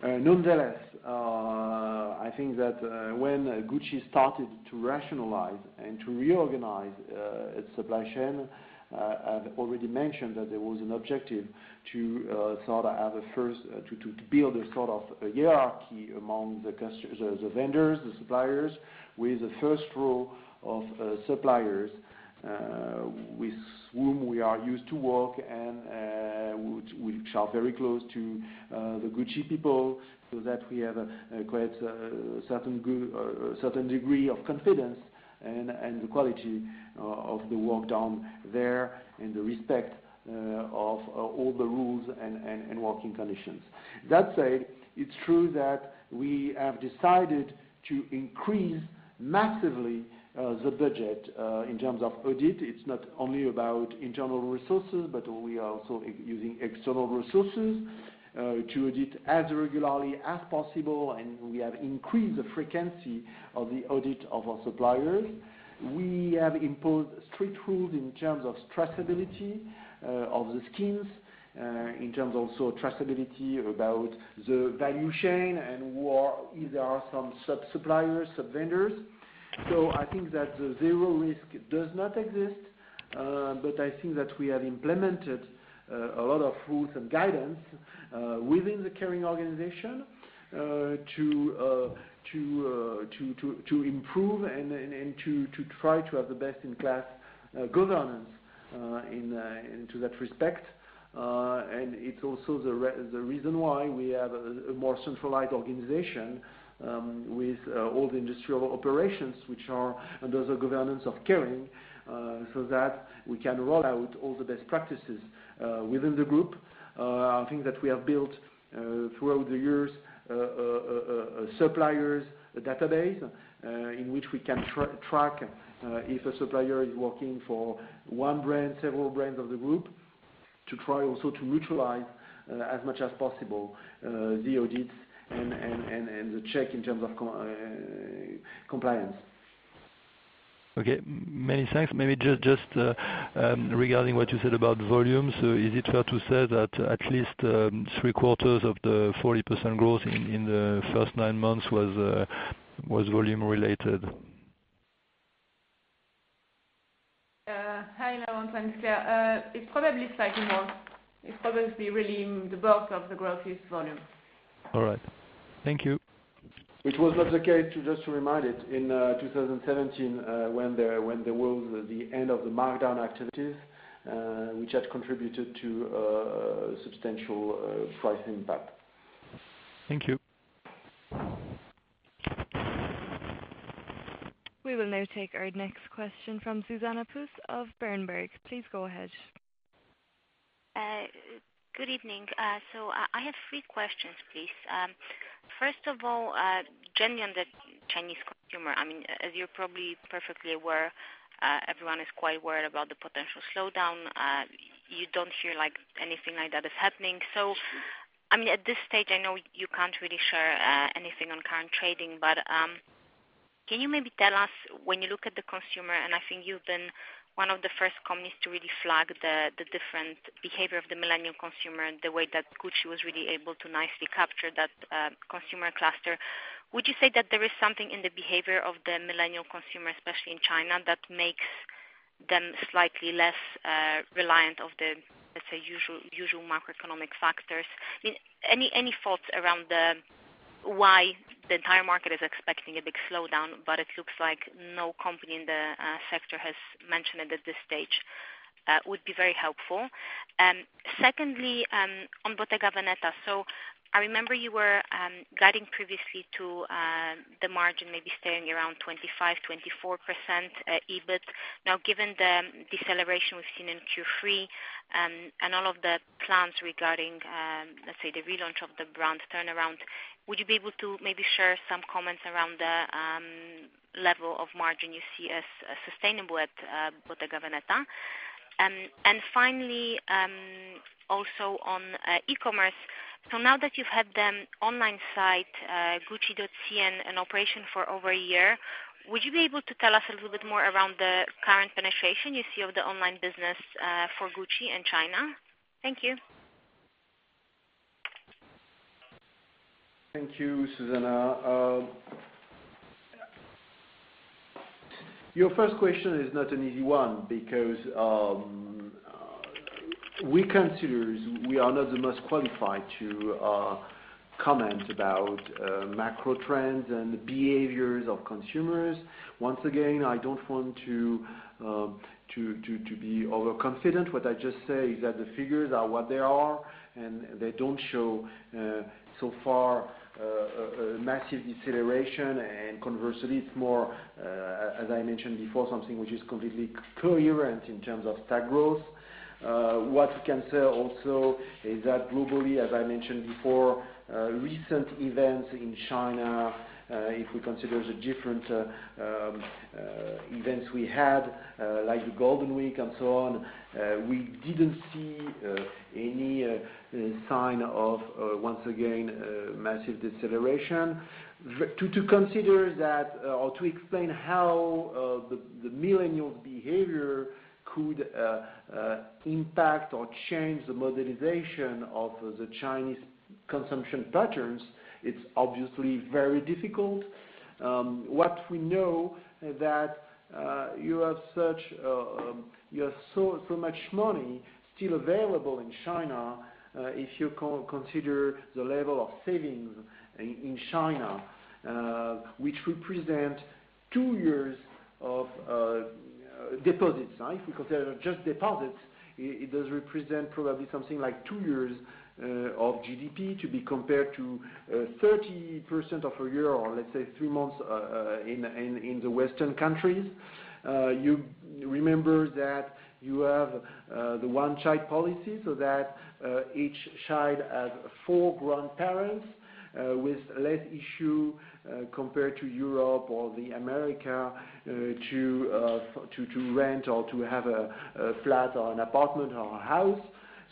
Nonetheless, I think that when Gucci started to rationalize and to reorganize its supply chain, I had already mentioned that there was an objective to build a sort of a hierarchy among the vendors, the suppliers, with the first row of suppliers with whom we are used to work and which are very close to the Gucci people, so that we have quite a certain degree of confidence in the quality of the work done there, and the respect of all the rules and working conditions. That said, it's true that we have decided to increase massively the budget in terms of audit. It's not only about internal resources, but we are also using external resources to audit as regularly as possible, and we have increased the frequency of the audit of our suppliers. We have imposed strict rules in terms of traceability of the schemes, in terms also traceability about the value chain, and where either are some sub-suppliers, sub-vendors. I think that the zero risk does not exist, but I think that we have implemented a lot of rules and guidance within the Kering organization to improve and to try to have the best-in-class governance into that respect. It's also the reason why we have a more centralized organization with all the industrial operations, under the governance of Kering, so that we can roll out all the best practices within the group. I think that we have built, throughout the years, a suppliers database, in which we can track if a supplier is working for one brand, several brands of the group, to try also to neutralize as much as possible the audits and the check in terms of compliance. Okay, many thanks. Maybe just regarding what you said about volumes, is it fair to say that at least three quarters of the 40% growth in the first nine months was volume-related? Hi, Antoine. It's Claire. It's probably slightly more. It's probably really the bulk of the growth is volume. All right. Thank you. Which was not the case, just to remind it, in 2017, when there was the end of the markdown activities, which had contributed to a substantial price impact. Thank you. We will now take our next question from Zuzanna Pusz of Berenberg. Please go ahead. Good evening. I have three questions, please. First of all, generally on the Chinese consumer, as you're probably perfectly aware, everyone is quite worried about the potential slowdown. You don't hear anything like that is happening. At this stage, I know you can't really share anything on current trading, but can you maybe tell us when you look at the consumer, and I think you've been one of the first companies to really flag the different behavior of the millennial consumer and the way that Gucci was really able to nicely capture that consumer cluster. Would you say that there is something in the behavior of the millennial consumer, especially in China, that makes them slightly less reliant of the, let's say, usual macroeconomic factors? Any thoughts around why the entire market is expecting a big slowdown, but it looks like no company in the sector has mentioned it at this stage, would be very helpful. Secondly, on Bottega Veneta. I remember you were guiding previously to the margin maybe staying around 25%, 24% EBIT. Now, given the deceleration we've seen in Q3 and all of the plans regarding, let's say, the relaunch of the brand turnaround, would you be able to maybe share some comments around the level of margin you see as sustainable at Bottega Veneta? Finally, also on e-commerce. Now that you've had the online site gucci.cn in operation for over a year, would you be able to tell us a little bit more around the current penetration you see of the online business for Gucci in China? Thank you. Thank you, Zuzanna. Your first question is not an easy one, because we consider we are not the most qualified to comment about macro trends and the behaviors of consumers. Once again, I don't want to be overconfident. What I just say is that the figures are what they are, and they don't show so far a massive deceleration, and conversely, it's more, as I mentioned before, something which is completely coherent in terms of stack growth. What we can say also is that globally, as I mentioned before, recent events in China, if we consider the different events we had, like the Golden Week and so on, we didn't see any sign of, once again, massive deceleration. To consider that, or to explain how the millennial behavior could impact or change the modernization of the Chinese consumption patterns, it's obviously very difficult. What we know is that you have so much money still available in China, if you consider the level of savings in China, which represent two years of deposits. Because they are just deposits, it does represent probably something like two years of GDP to be compared to 30% of a year, or let's say three months in the Western countries. You remember that you have the one-child policy, so that each child has four grandparents with less issue compared to Europe or the America to rent or to have a flat or an apartment or a house.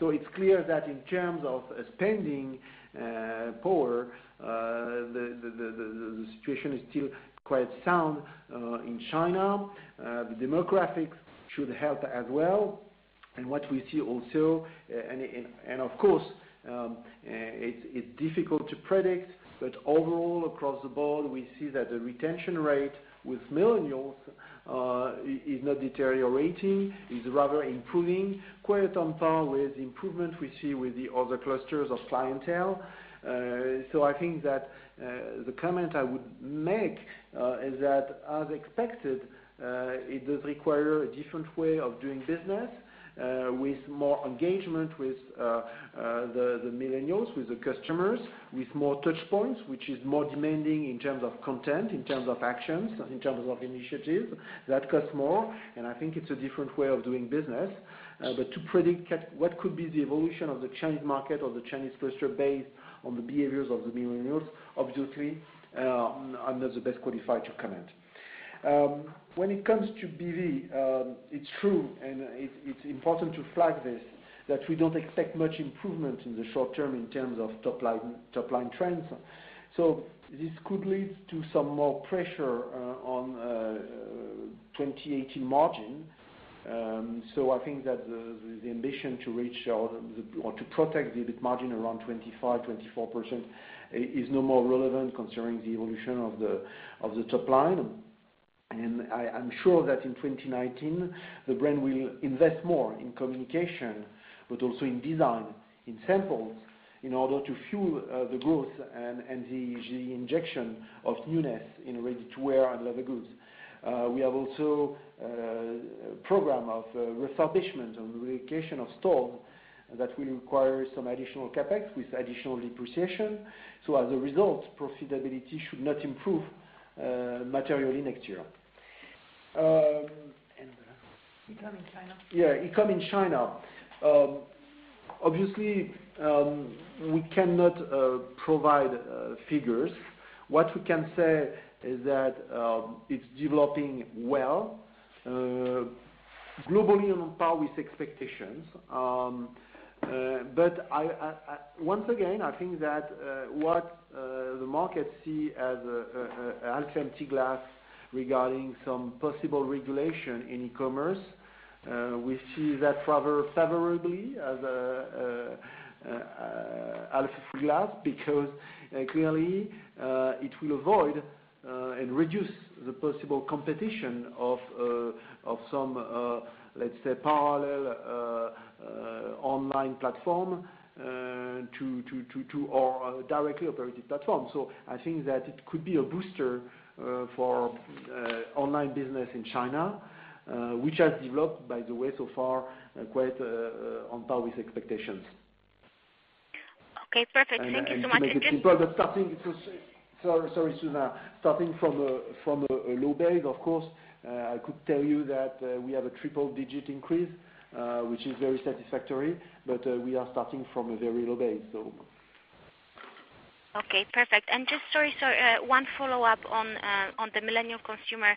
So it's clear that in terms of spending power, the situation is still quite sound in China. The demographics should help as well. What we see also, and of course, it's difficult to predict, but overall, across the board, we see that the retention rate with millennials is not deteriorating, is rather improving quite on par with the improvement we see with the other clusters of clientele. So I think that the comment I would make is that as expected, it does require a different way of doing business, with more engagement with the millennials, with the customers, with more touchpoints, which is more demanding in terms of content, in terms of actions, in terms of initiatives. That costs more, and I think it's a different way of doing business. But to predict what could be the evolution of the Chinese market or the Chinese cluster based on the behaviors of the millennials, obviously, I'm not the best qualified to comment. When it comes to BV, it's true, and it's important to flag this, that we don't expect much improvement in the short term in terms of top-line trends. So this could lead to some more pressure on 2018 margin. So I think that the ambition to reach or to protect the EBIT margin around 25%-24% is no more relevant considering the evolution of the top-line. I'm sure that in 2019, the brand will invest more in communication, but also in design, in samples, in order to fuel the growth and the injection of newness in ready-to-wear and leather goods. We have also a program of refurbishment and relocation of stores that will require some additional CapEx with additional depreciation. So as a result, profitability should not improve materially next year. E-com in China. Yeah, e-com in China. Obviously, we cannot provide figures. What we can say is that it's developing well, globally on par with expectations. Once again, I think that what the market see as a half-empty glass regarding some possible regulation in e-commerce, we see that favorably as a half-full glass, because clearly it will avoid and reduce the possible competition of some, let's say, parallel online platform to our directly operated platform. I think that it could be a booster for online business in China, which has developed, by the way, so far quite on par with expectations. Okay, perfect. Thank you so much. To make it simple, Sorry, Zuzanna. Starting from a low base, of course, I could tell you that we have a triple-digit increase, which is very satisfactory, we are starting from a very low base. Okay, perfect. Just sorry, sir, one follow-up on the millennial consumer.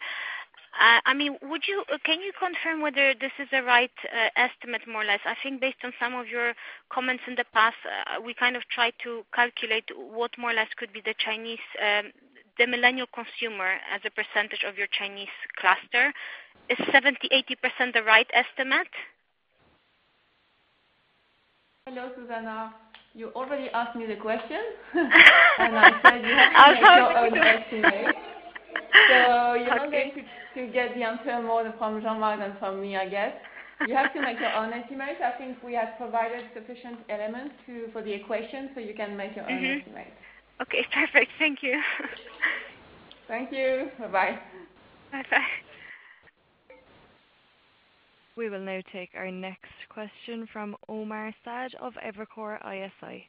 Can you confirm whether this is the right estimate, more or less? I think based on some of your comments in the past, we kind of tried to calculate what more or less could be the millennial consumer as a percentage of your Chinese cluster. Is 70%-80% the right estimate? Hello, Zuzanna. You already asked me the question and I said you have to make your own estimate. You are going to get the answer more from Jean-Marc than from me, I guess. You have to make your own estimate. I think we have provided sufficient elements for the equation so you can make your own estimate. Okay, perfect. Thank you. Thank you. Bye bye. Bye bye. We will now take our next question from Omar Saad of Evercore ISI.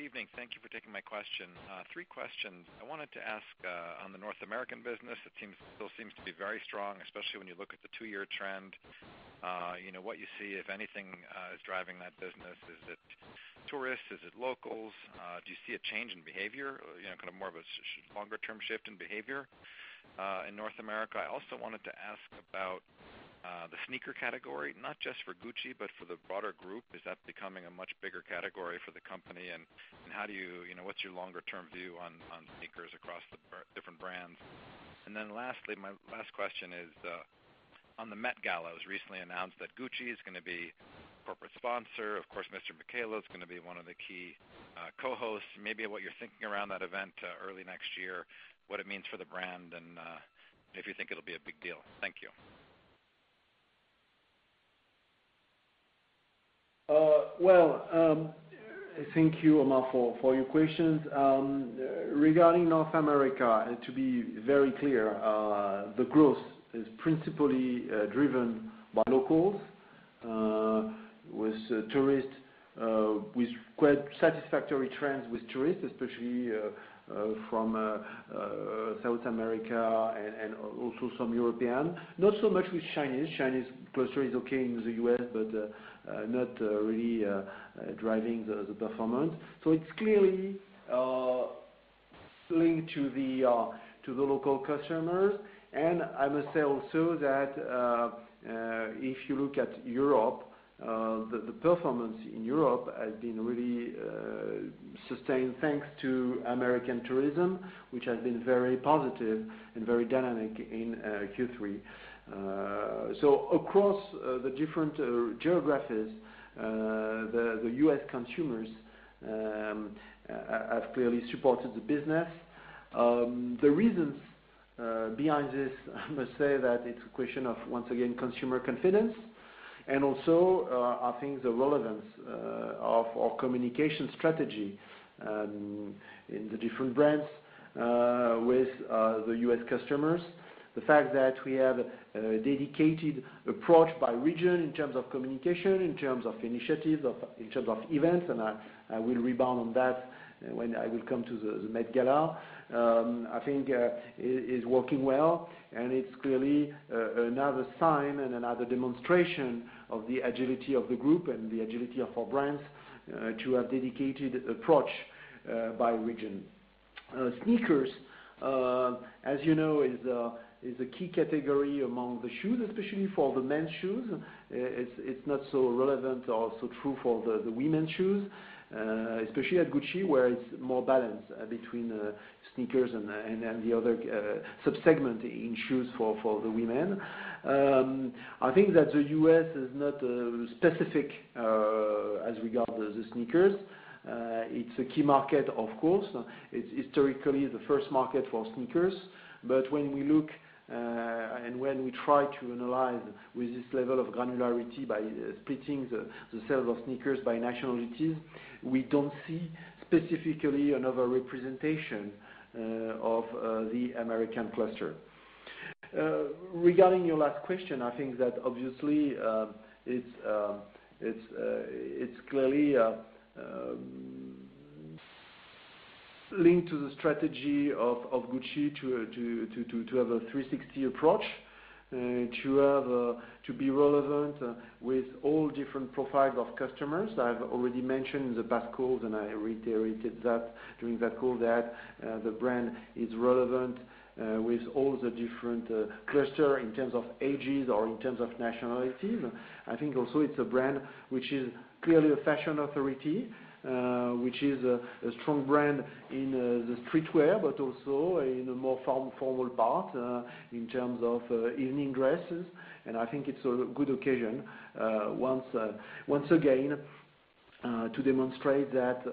Evening. Thank you for taking my question. Three questions. I wanted to ask on the North American business, it still seems to be very strong, especially when you look at the two-year trend. What you see, if anything, is driving that business. Is it tourists? Is it locals? Do you see a change in behavior, kind of more of a longer-term shift in behavior, in North America? I also wanted to ask about the sneaker category, not just for Gucci, but for the broader group. Is that becoming a much bigger category for the company, and what's your longer-term view on sneakers across the different brands? Lastly, my last question is, on the Met Gala. It was recently announced that Gucci is going to be corporate sponsor. Of course, Mr. Michele is going to be one of the key co-hosts, maybe what you're thinking around that event early next year, what it means for the brand, and if you think it'll be a big deal. Thank you. Well, thank you, Omar, for your questions. Regarding North America, to be very clear, the growth is principally driven by locals, with quite satisfactory trends with tourists, especially from South America and also some European. Not so much with Chinese. Chinese cluster is okay in the U.S., but not really driving the performance. It's clearly linked to the local customers, and I must say also that if you look at Europe, the performance in Europe has been really sustained thanks to American tourism, which has been very positive and very dynamic in Q3. Across the different geographies, the U.S. consumers have clearly supported the business. The reasons behind this, I must say that it's a question of, once again, consumer confidence and also, I think the relevance of our communication strategy in the different brands with the U.S. customers. The fact that we have a dedicated approach by region in terms of communication, in terms of initiatives, in terms of events, and I will rebound on that when I will come to the Met Gala, I think is working well, and it's clearly another sign and another demonstration of the agility of the group and the agility of our brands to have dedicated approach by region. Sneakers, as you know, is a key category among the shoes, especially for the men's shoes. It's not so relevant or so true for the women's shoes, especially at Gucci, where it's more balanced between sneakers and the other sub-segment in shoes for the women. I think that the U.S. is not specific as regard the sneakers. It's a key market, of course. It's historically the first market for sneakers. When we look and when we try to analyze with this level of granularity by splitting the sales of sneakers by nationalities, we don't see specifically another representation of the American cluster. Regarding your last question, I think that obviously, it's clearly linked to the strategy of Gucci to have a 360 approach, to be relevant with all different profiles of customers. I've already mentioned in the past calls, and I reiterated that during that call that the brand is relevant with all the different cluster in terms of ages or in terms of nationalities. I think also it's a brand which is clearly a fashion authority, which is a strong brand in the streetwear, but also in a more formal part in terms of evening dresses. I think it's a good occasion, once again, to demonstrate that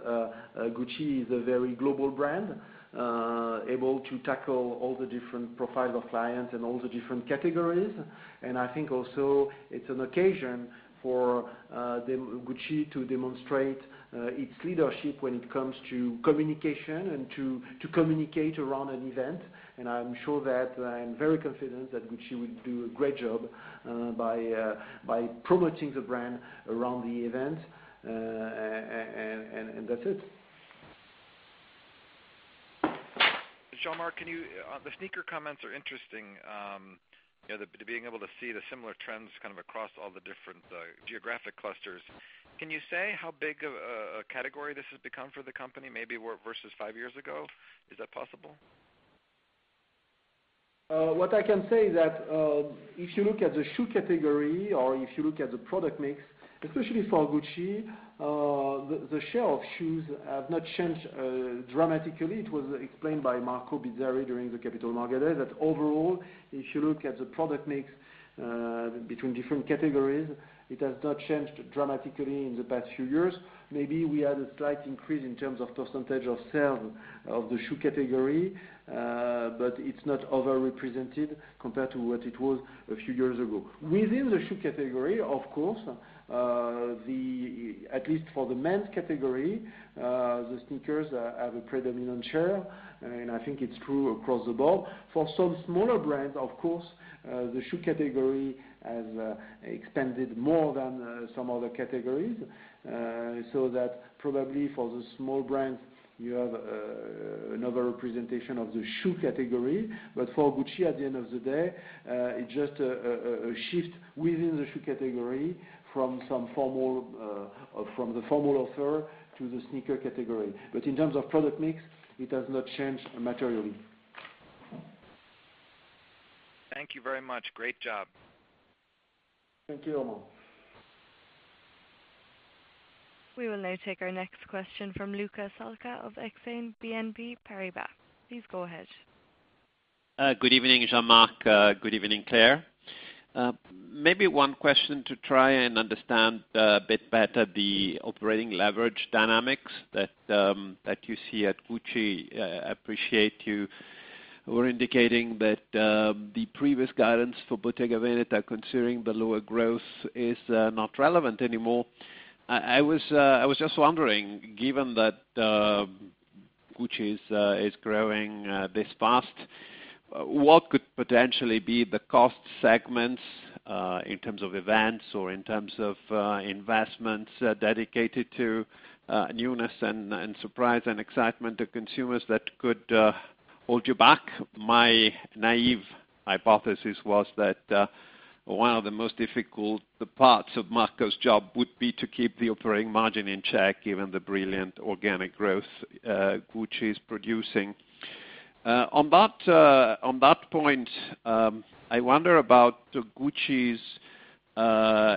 Gucci is a very global brand, able to tackle all the different profile of clients and all the different categories. I think also it's an occasion for Gucci to demonstrate its leadership when it comes to communication and to communicate around an event. I am very confident that Gucci will do a great job by promoting the brand around the event, and that's it. Jean-Marc, the sneaker comments are interesting, being able to see the similar trends kind of across all the different geographic clusters. Can you say how big of a category this has become for the company, maybe versus five years ago? Is that possible? What I can say is that if you look at the shoe category or if you look at the product mix, especially for Gucci, the share of shoes have not changed dramatically. It was explained by Marco Bizzarri during the Capital Market Day that overall, if you look at the product mix between different categories, it has not changed dramatically in the past few years. Maybe we had a slight increase in terms of percentage of sale of the shoe category, but it's not overrepresented compared to what it was a few years ago. Within the shoe category, of course, at least for the men's category, the sneakers have a predominant share, and I think it's true across the board. For some smaller brands, of course, the shoe category has expanded more than some other categories. That probably for the small brands, you have another representation of the shoe category. For Gucci, at the end of the day, it's just a shift within the shoe category from the formal offer to the sneaker category. In terms of product mix, it has not changed materially. Thank you very much. Great job. Thank you, Omar. We will now take our next question from Luca Solca of Exane BNP Paribas. Please go ahead. Good evening, Jean-Marc. Good evening, Claire. Maybe one question to try and understand a bit better the operating leverage dynamics that you see at Gucci. I appreciate you were indicating that the previous guidance for Bottega Veneta, considering the lower growth, is not relevant anymore. I was just wondering, given that Gucci is growing this fast, what could potentially be the cost segments, in terms of events or in terms of investments dedicated to newness and surprise and excitement to consumers that could hold you back? My naive hypothesis was that one of the most difficult parts of Marco's job would be to keep the operating margin in check, given the brilliant organic growth Gucci is producing. On that point, I wonder about Gucci's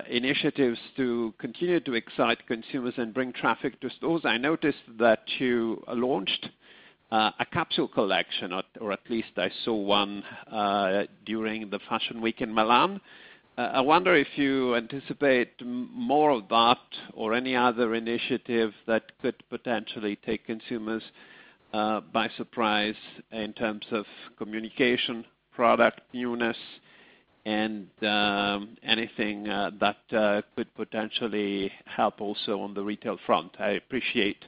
initiatives to continue to excite consumers and bring traffic to stores. I noticed that you launched a capsule collection, or at least I saw one during the Fashion Week in Milan. I wonder if you anticipate more of that or any other initiative that could potentially take consumers by surprise in terms of communication, product newness, and anything that could potentially help also on the retail front. I appreciate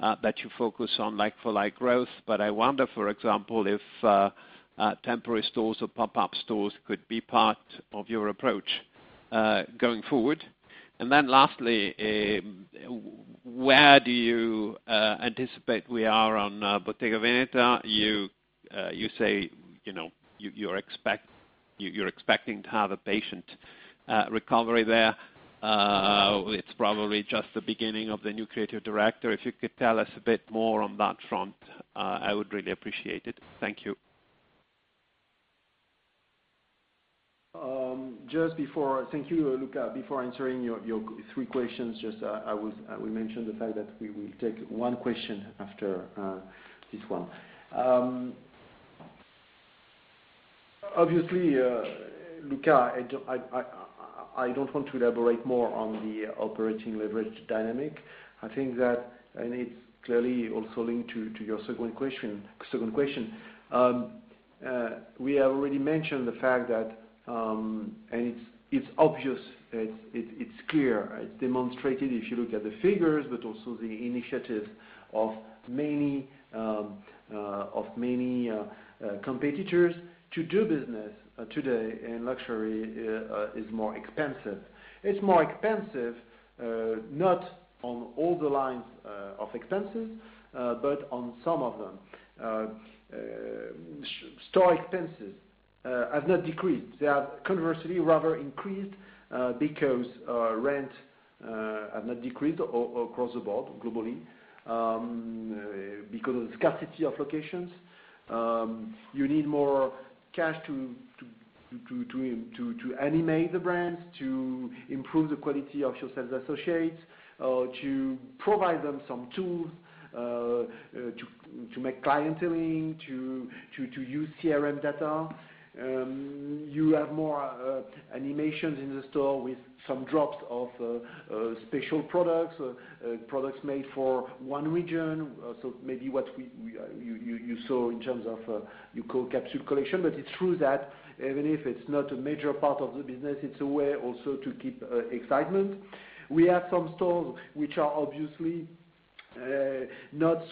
that you focus on like-for-like growth, but I wonder, for example, if temporary stores or pop-up stores could be part of your approach going forward. Then lastly, where do you anticipate we are on Bottega Veneta? You say you're expecting to have a patient recovery there. It's probably just the beginning of the new creative director. If you could tell us a bit more on that front, I would really appreciate it. Thank you. Thank you, Luca. Before answering your three questions, just I will mention the fact that we will take one question after this one. Obviously, Luca, I don't want to elaborate more on the operating leverage dynamic. I think that it's clearly also linked to your second question. We have already mentioned the fact that it's obvious, it's clear, it's demonstrated if you look at the figures, but also the initiative of many competitors to do business today in luxury is more expensive. It's more expensive not on all the lines of expenses, but on some of them. Store expenses have not decreased. They have conversely rather increased because rent have not decreased across the board globally because of scarcity of locations. You need more cash to animate the brands, to improve the quality of your sales associates, to provide them some tools, to make clienteling, to use CRM data. You have more animations in the store with some drops of special products made for one region. Maybe what you saw in terms of you call capsule collection, but it's true that even if it's not a major part of the business, it's a way also to keep excitement. We have some stores which are obviously not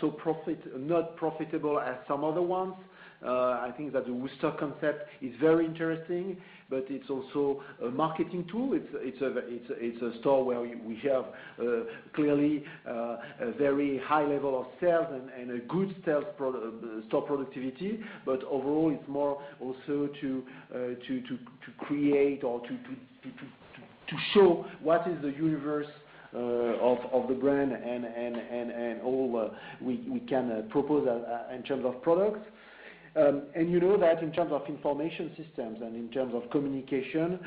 profitable as some other ones. I think that the Wooster concept is very interesting, but it's also a marketing tool. It's a store where we have clearly a very high level of sales and a good sales store productivity. Overall, it's more also to create or to show what is the universe of the brand and all we can propose in terms of products. You know that in terms of information systems and in terms of communication,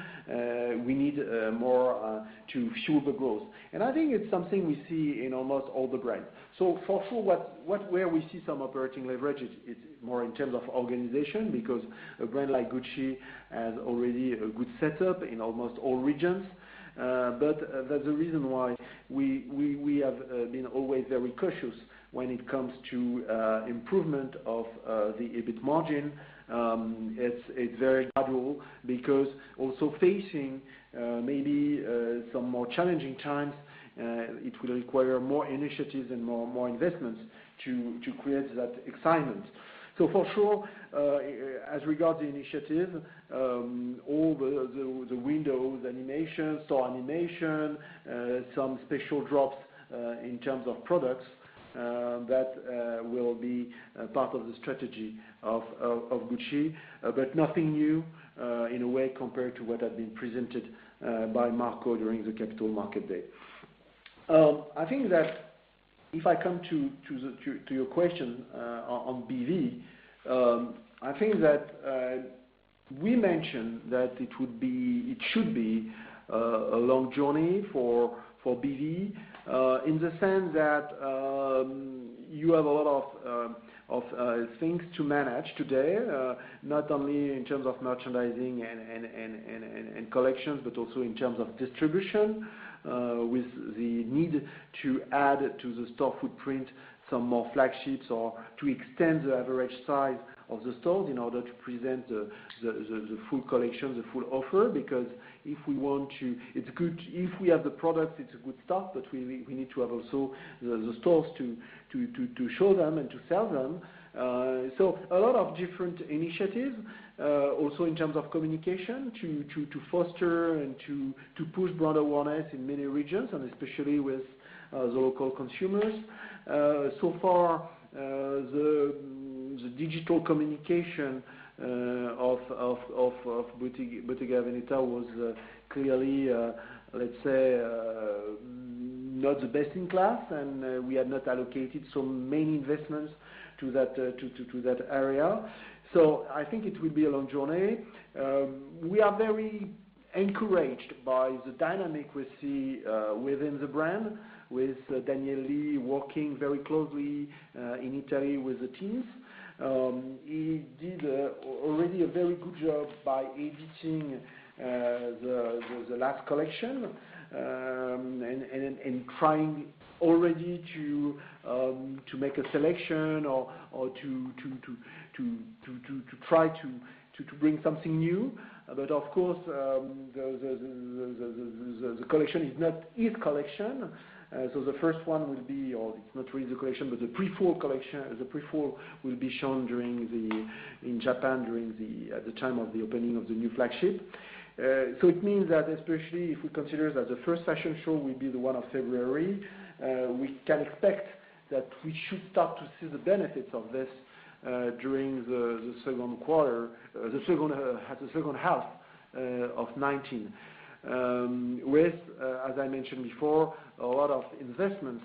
we need more to fuel the growth. I think it's something we see in almost all the brands. For sure, where we see some operating leverage, it's more in terms of organization, because a brand like Gucci has already a good setup in almost all regions. That's the reason why we have been always very cautious when it comes to improvement of the EBIT margin. It's very valuable because also facing maybe some more challenging times, it will require more initiatives and more investments to create that excitement. For sure, as regards the initiative, all the windows animation, store animation, some special drops in terms of products, that will be part of the strategy of Gucci. Nothing new, in a way, compared to what had been presented by Marco during the Capital Market Day. I think that if I come to your question on BV, I think that we mentioned that it should be a long journey for BV in the sense that you have a lot of things to manage today, not only in terms of merchandising and collections, but also in terms of distribution, with the need to add to the store footprint some more flagships or to extend the average size of the stores in order to present the full collection, the full offer. If we have the product, it's a good start, but we need to have also the stores to show them and to sell them. A lot of different initiatives, also in terms of communication to foster and to push brand awareness in many regions, and especially with the local consumers. So far, the digital communication of Bottega Veneta was clearly, let's say, not the best in class, and we had not allocated so many investments to that area. I think it will be a long journey. We are very encouraged by the dynamic we see within the brand with Daniel Lee working very closely in Italy with the teams. He did already a very good job by editing the last collection, and trying already to make a selection or to try to bring something new. Of course, the collection is not his collection. The first one will be, or it's not really the collection, but the pre-fall collection will be shown in Japan at the time of the opening of the new flagship. It means that especially if we consider that the first fashion show will be the one of February, we can expect that we should start to see the benefits of this during the second half of 2019. With, as I mentioned before, a lot of investments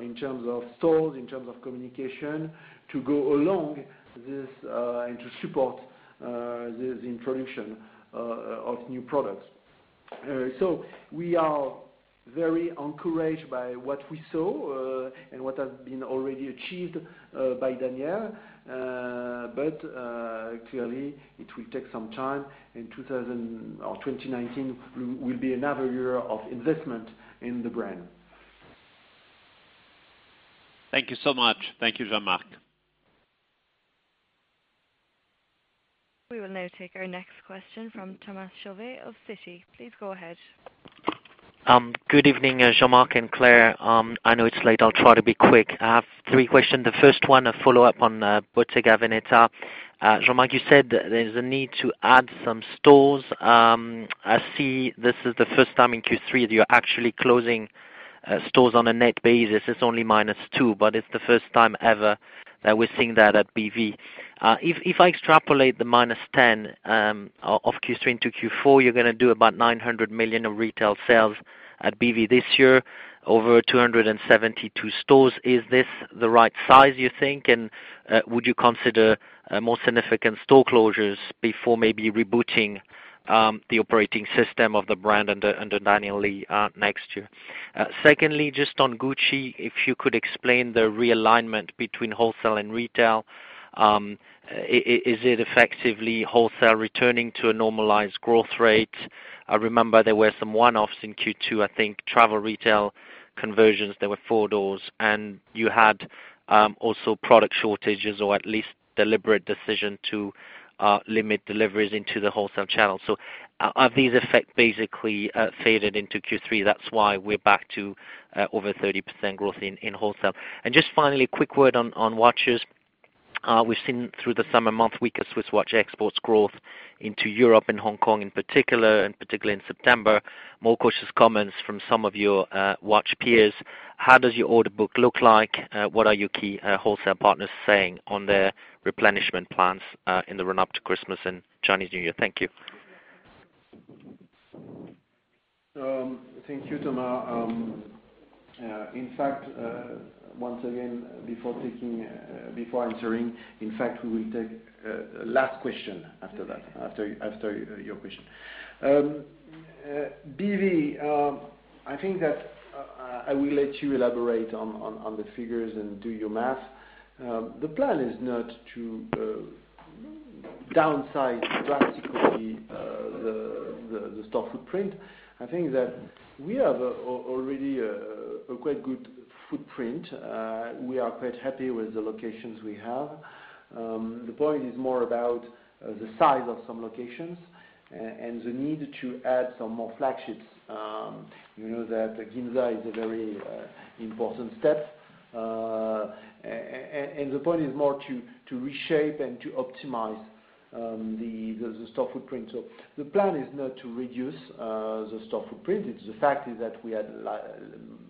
in terms of stores, in terms of communication, to go along this and to support the introduction of new products. We are very encouraged by what we saw and what has been already achieved by Daniel. Clearly, it will take some time, and 2019 will be another year of investment in the brand. Thank you so much. Thank you, Jean Marc. We will now take our next question from Thomas Chauvet of Citi. Please go ahead. Good evening, Jean-Marc and Claire. I know it's late, I'll try to be quick. I have three questions. The first one, a follow-up on Bottega Veneta. Jean-Marc, you said there's a need to add some stores. I see this is the first time in Q3 that you're actually closing stores on a net basis. It's only -2, but it's the first time ever that we're seeing that at BV. If I extrapolate the -10 of Q3 into Q4, you're going to do about 900 million of retail sales at BV this year, over 272 stores. Is this the right size, you think? And would you consider more significant store closures before maybe rebooting the operating system of the brand under Daniel Lee next year? Secondly, just on Gucci, if you could explain the realignment between wholesale and retail. Is it effectively wholesale returning to a normalized growth rate? I remember there were some one-offs in Q2, I think travel retail conversions, there were 4 doors, and you had also product shortages or at least deliberate decision to limit deliveries into the wholesale channel. Have these effect basically faded into Q3, that's why we're back to over 30% growth in wholesale? Just finally, a quick word on watches. We've seen through the summer month weaker Swiss watch exports growth into Europe and Hong Kong in particular, and particularly in September. More cautious comments from some of your watch peers. How does your order book look like? What are your key wholesale partners saying on their replenishment plans in the run-up to Christmas and Chinese New Year? Thank you. Thank you, Thomas. In fact, once again, before answering, we will take last question after that, after your question. BV, I think that I will let you elaborate on the figures and do your math. The plan is not to downsize drastically the store footprint. I think that we have already a quite good footprint. We are quite happy with the locations we have. The point is more about the size of some locations and the need to add some more flagships. You know that Ginza is a very important step. The point is more to reshape and to optimize the store footprint. The plan is not to reduce the store footprint. The fact is that we had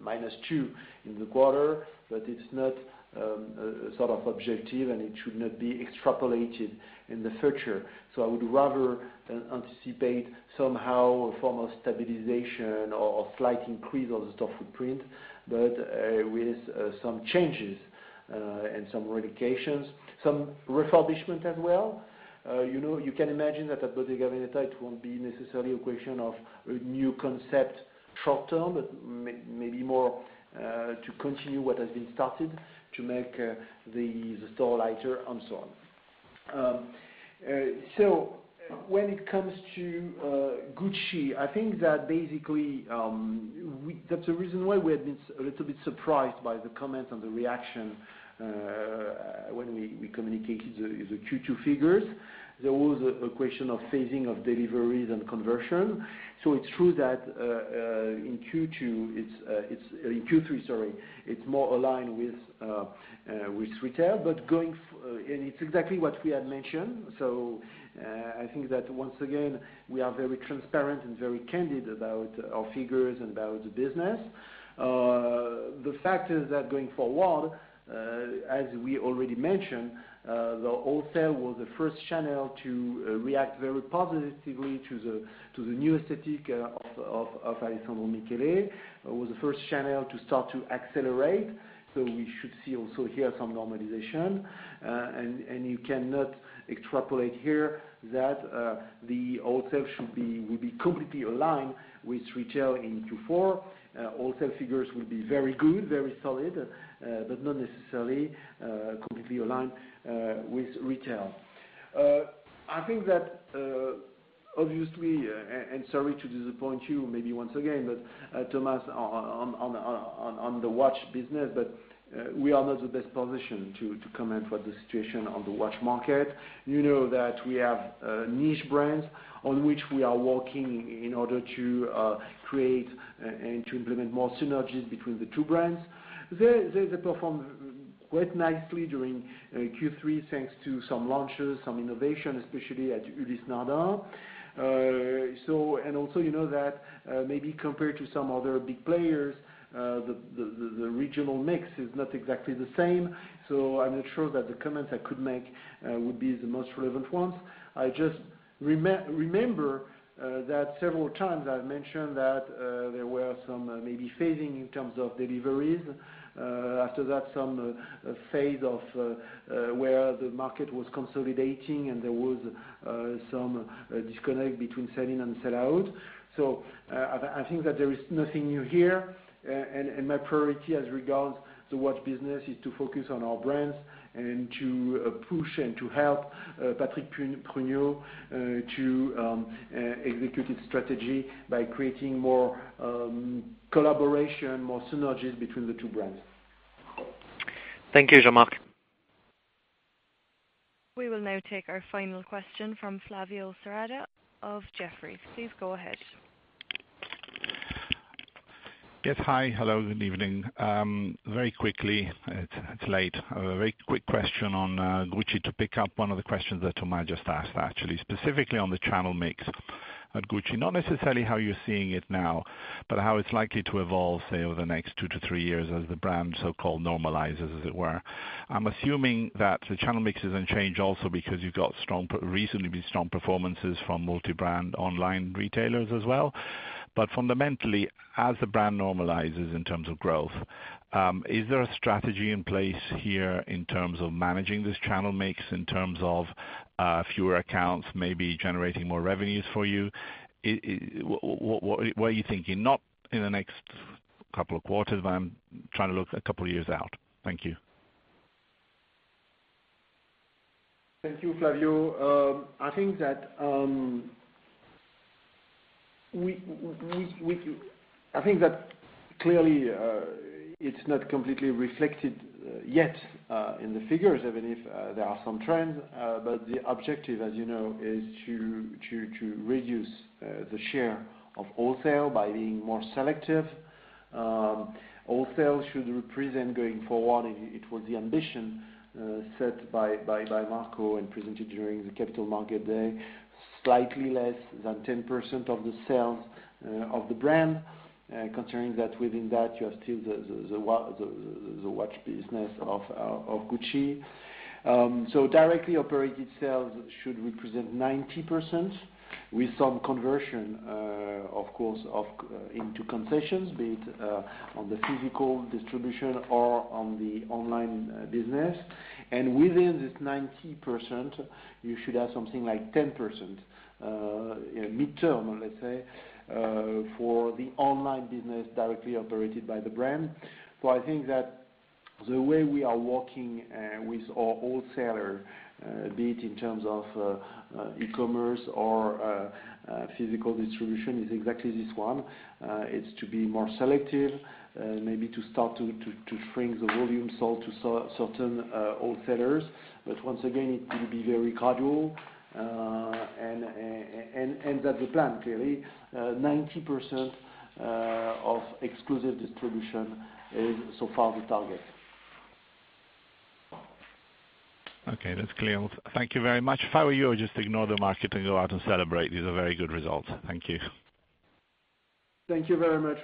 -2 in the quarter, but it's not a sort of objective, and it should not be extrapolated in the future. I would rather anticipate somehow a form of stabilization or slight increase of the store footprint, but with some changes and some relocations. Some refurbishment as well. You can imagine that at Bottega Veneta, it won't be necessarily a question of a new concept short-term, but maybe more to continue what has been started to make the store lighter and so on. When it comes to Gucci, I think that basically, that's the reason why we have been a little bit surprised by the comments and the reaction when we communicated the Q2 figures. There was a question of phasing of deliveries and conversion. In Q3, sorry, it's more aligned with retail. It's exactly what we had mentioned. I think that once again, we are very transparent and very candid about our figures and about the business. The fact is that going forward, as we already mentioned, the wholesale was the first channel to react very positively to the new aesthetic of Alessandro Michele. It was the first channel to start to accelerate. We should see also here some normalization. You cannot extrapolate here that the wholesale will be completely aligned with retail in Q4. Wholesale figures will be very good, very solid, but not necessarily completely aligned with retail. I think that, obviously, and sorry to disappoint you maybe once again, but Thomas, on the watch business, we are not the best position to comment about the situation on the watch market. You know that we have niche brands on which we are working in order to create and to implement more synergies between the two brands. They perform quite nicely during Q3 thanks to some launches, some innovation, especially at Ulysse Nardin. Also you know that maybe compared to some other big players, the regional mix is not exactly the same. I'm not sure that the comments I could make would be the most relevant ones. I just remember that several times I've mentioned that there were some maybe phasing in terms of deliveries. After that, some phase of where the market was consolidating, and there was some disconnect between sell in and sell out. I think that there is nothing new here, and my priority as regards the watch business is to focus on our brands and to push and to help Patrick Pruniaux to execute his strategy by creating more collaboration, more synergies between the two brands. Thank you, Jean-Marc. We will now take our final question from Flavio Cereda of Jefferies. Please go ahead. Yes. Hi. Hello, good evening. Very quickly, it's late. I have a very quick question on Gucci to pick up one of the questions that Thomas just asked, actually, specifically on the channel mix at Gucci. Not necessarily how you're seeing it now, but how it's likely to evolve, say, over the next two to three years as the brand so-called normalizes, as it were. I'm assuming that the channel mix doesn't change also because you've got recently been strong performances from multi-brand online retailers as well. Fundamentally, as the brand normalizes in terms of growth, is there a strategy in place here in terms of managing this channel mix in terms of fewer accounts, maybe generating more revenues for you? What are you thinking? Not in the next couple of quarters, but I'm trying to look a couple of years out. Thank you. Thank you, Flavio. I think that clearly it's not completely reflected yet in the figures, even if there are some trends. The objective, as you know, is to reduce the share of wholesale by being more selective. Wholesale should represent going forward, it was the ambition set by Marco and presented during the Capital Market Day slightly less than 10% of the sales of the brand, considering that within that you have still the watch business of Gucci. Directly operated sales should represent 90%, with some conversion, of course, into concessions, be it on the physical distribution or on the online business. Within this 90%, you should have something like 10%, midterm, let's say, for the online business directly operated by the brand. I think that the way we are working with our wholesaler, be it in terms of e-commerce or physical distribution, is exactly this one. It's to be more selective, maybe to start to shrink the volume sold to certain wholesalers. Once again, it will be very gradual, and that's the plan, clearly. 90% of exclusive distribution is so far the target. Okay, that's clear. Thank you very much. If I were you, I'd just ignore the market and go out and celebrate. These are very good results. Thank you. Thank you very much,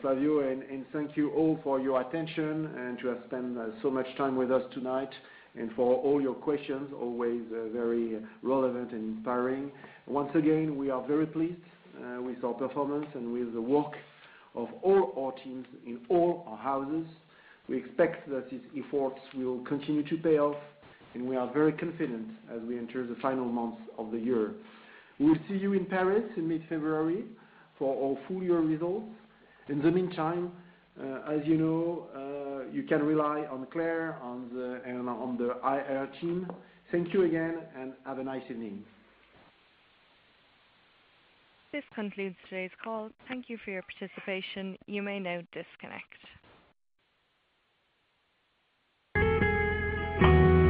Flavio, and thank you all for your attention, and to have spent so much time with us tonight, and for all your questions, always very relevant and inspiring. Once again, we are very pleased with our performance and with the work of all our teams in all our houses. We expect that these efforts will continue to pay off, and we are very confident as we enter the final months of the year. We will see you in Paris in mid-February for our full-year results. In the meantime, as you know, you can rely on Claire and on the IR team. Thank you again, and have a nice evening. This concludes today's call. Thank you for your participation. You may now disconnect.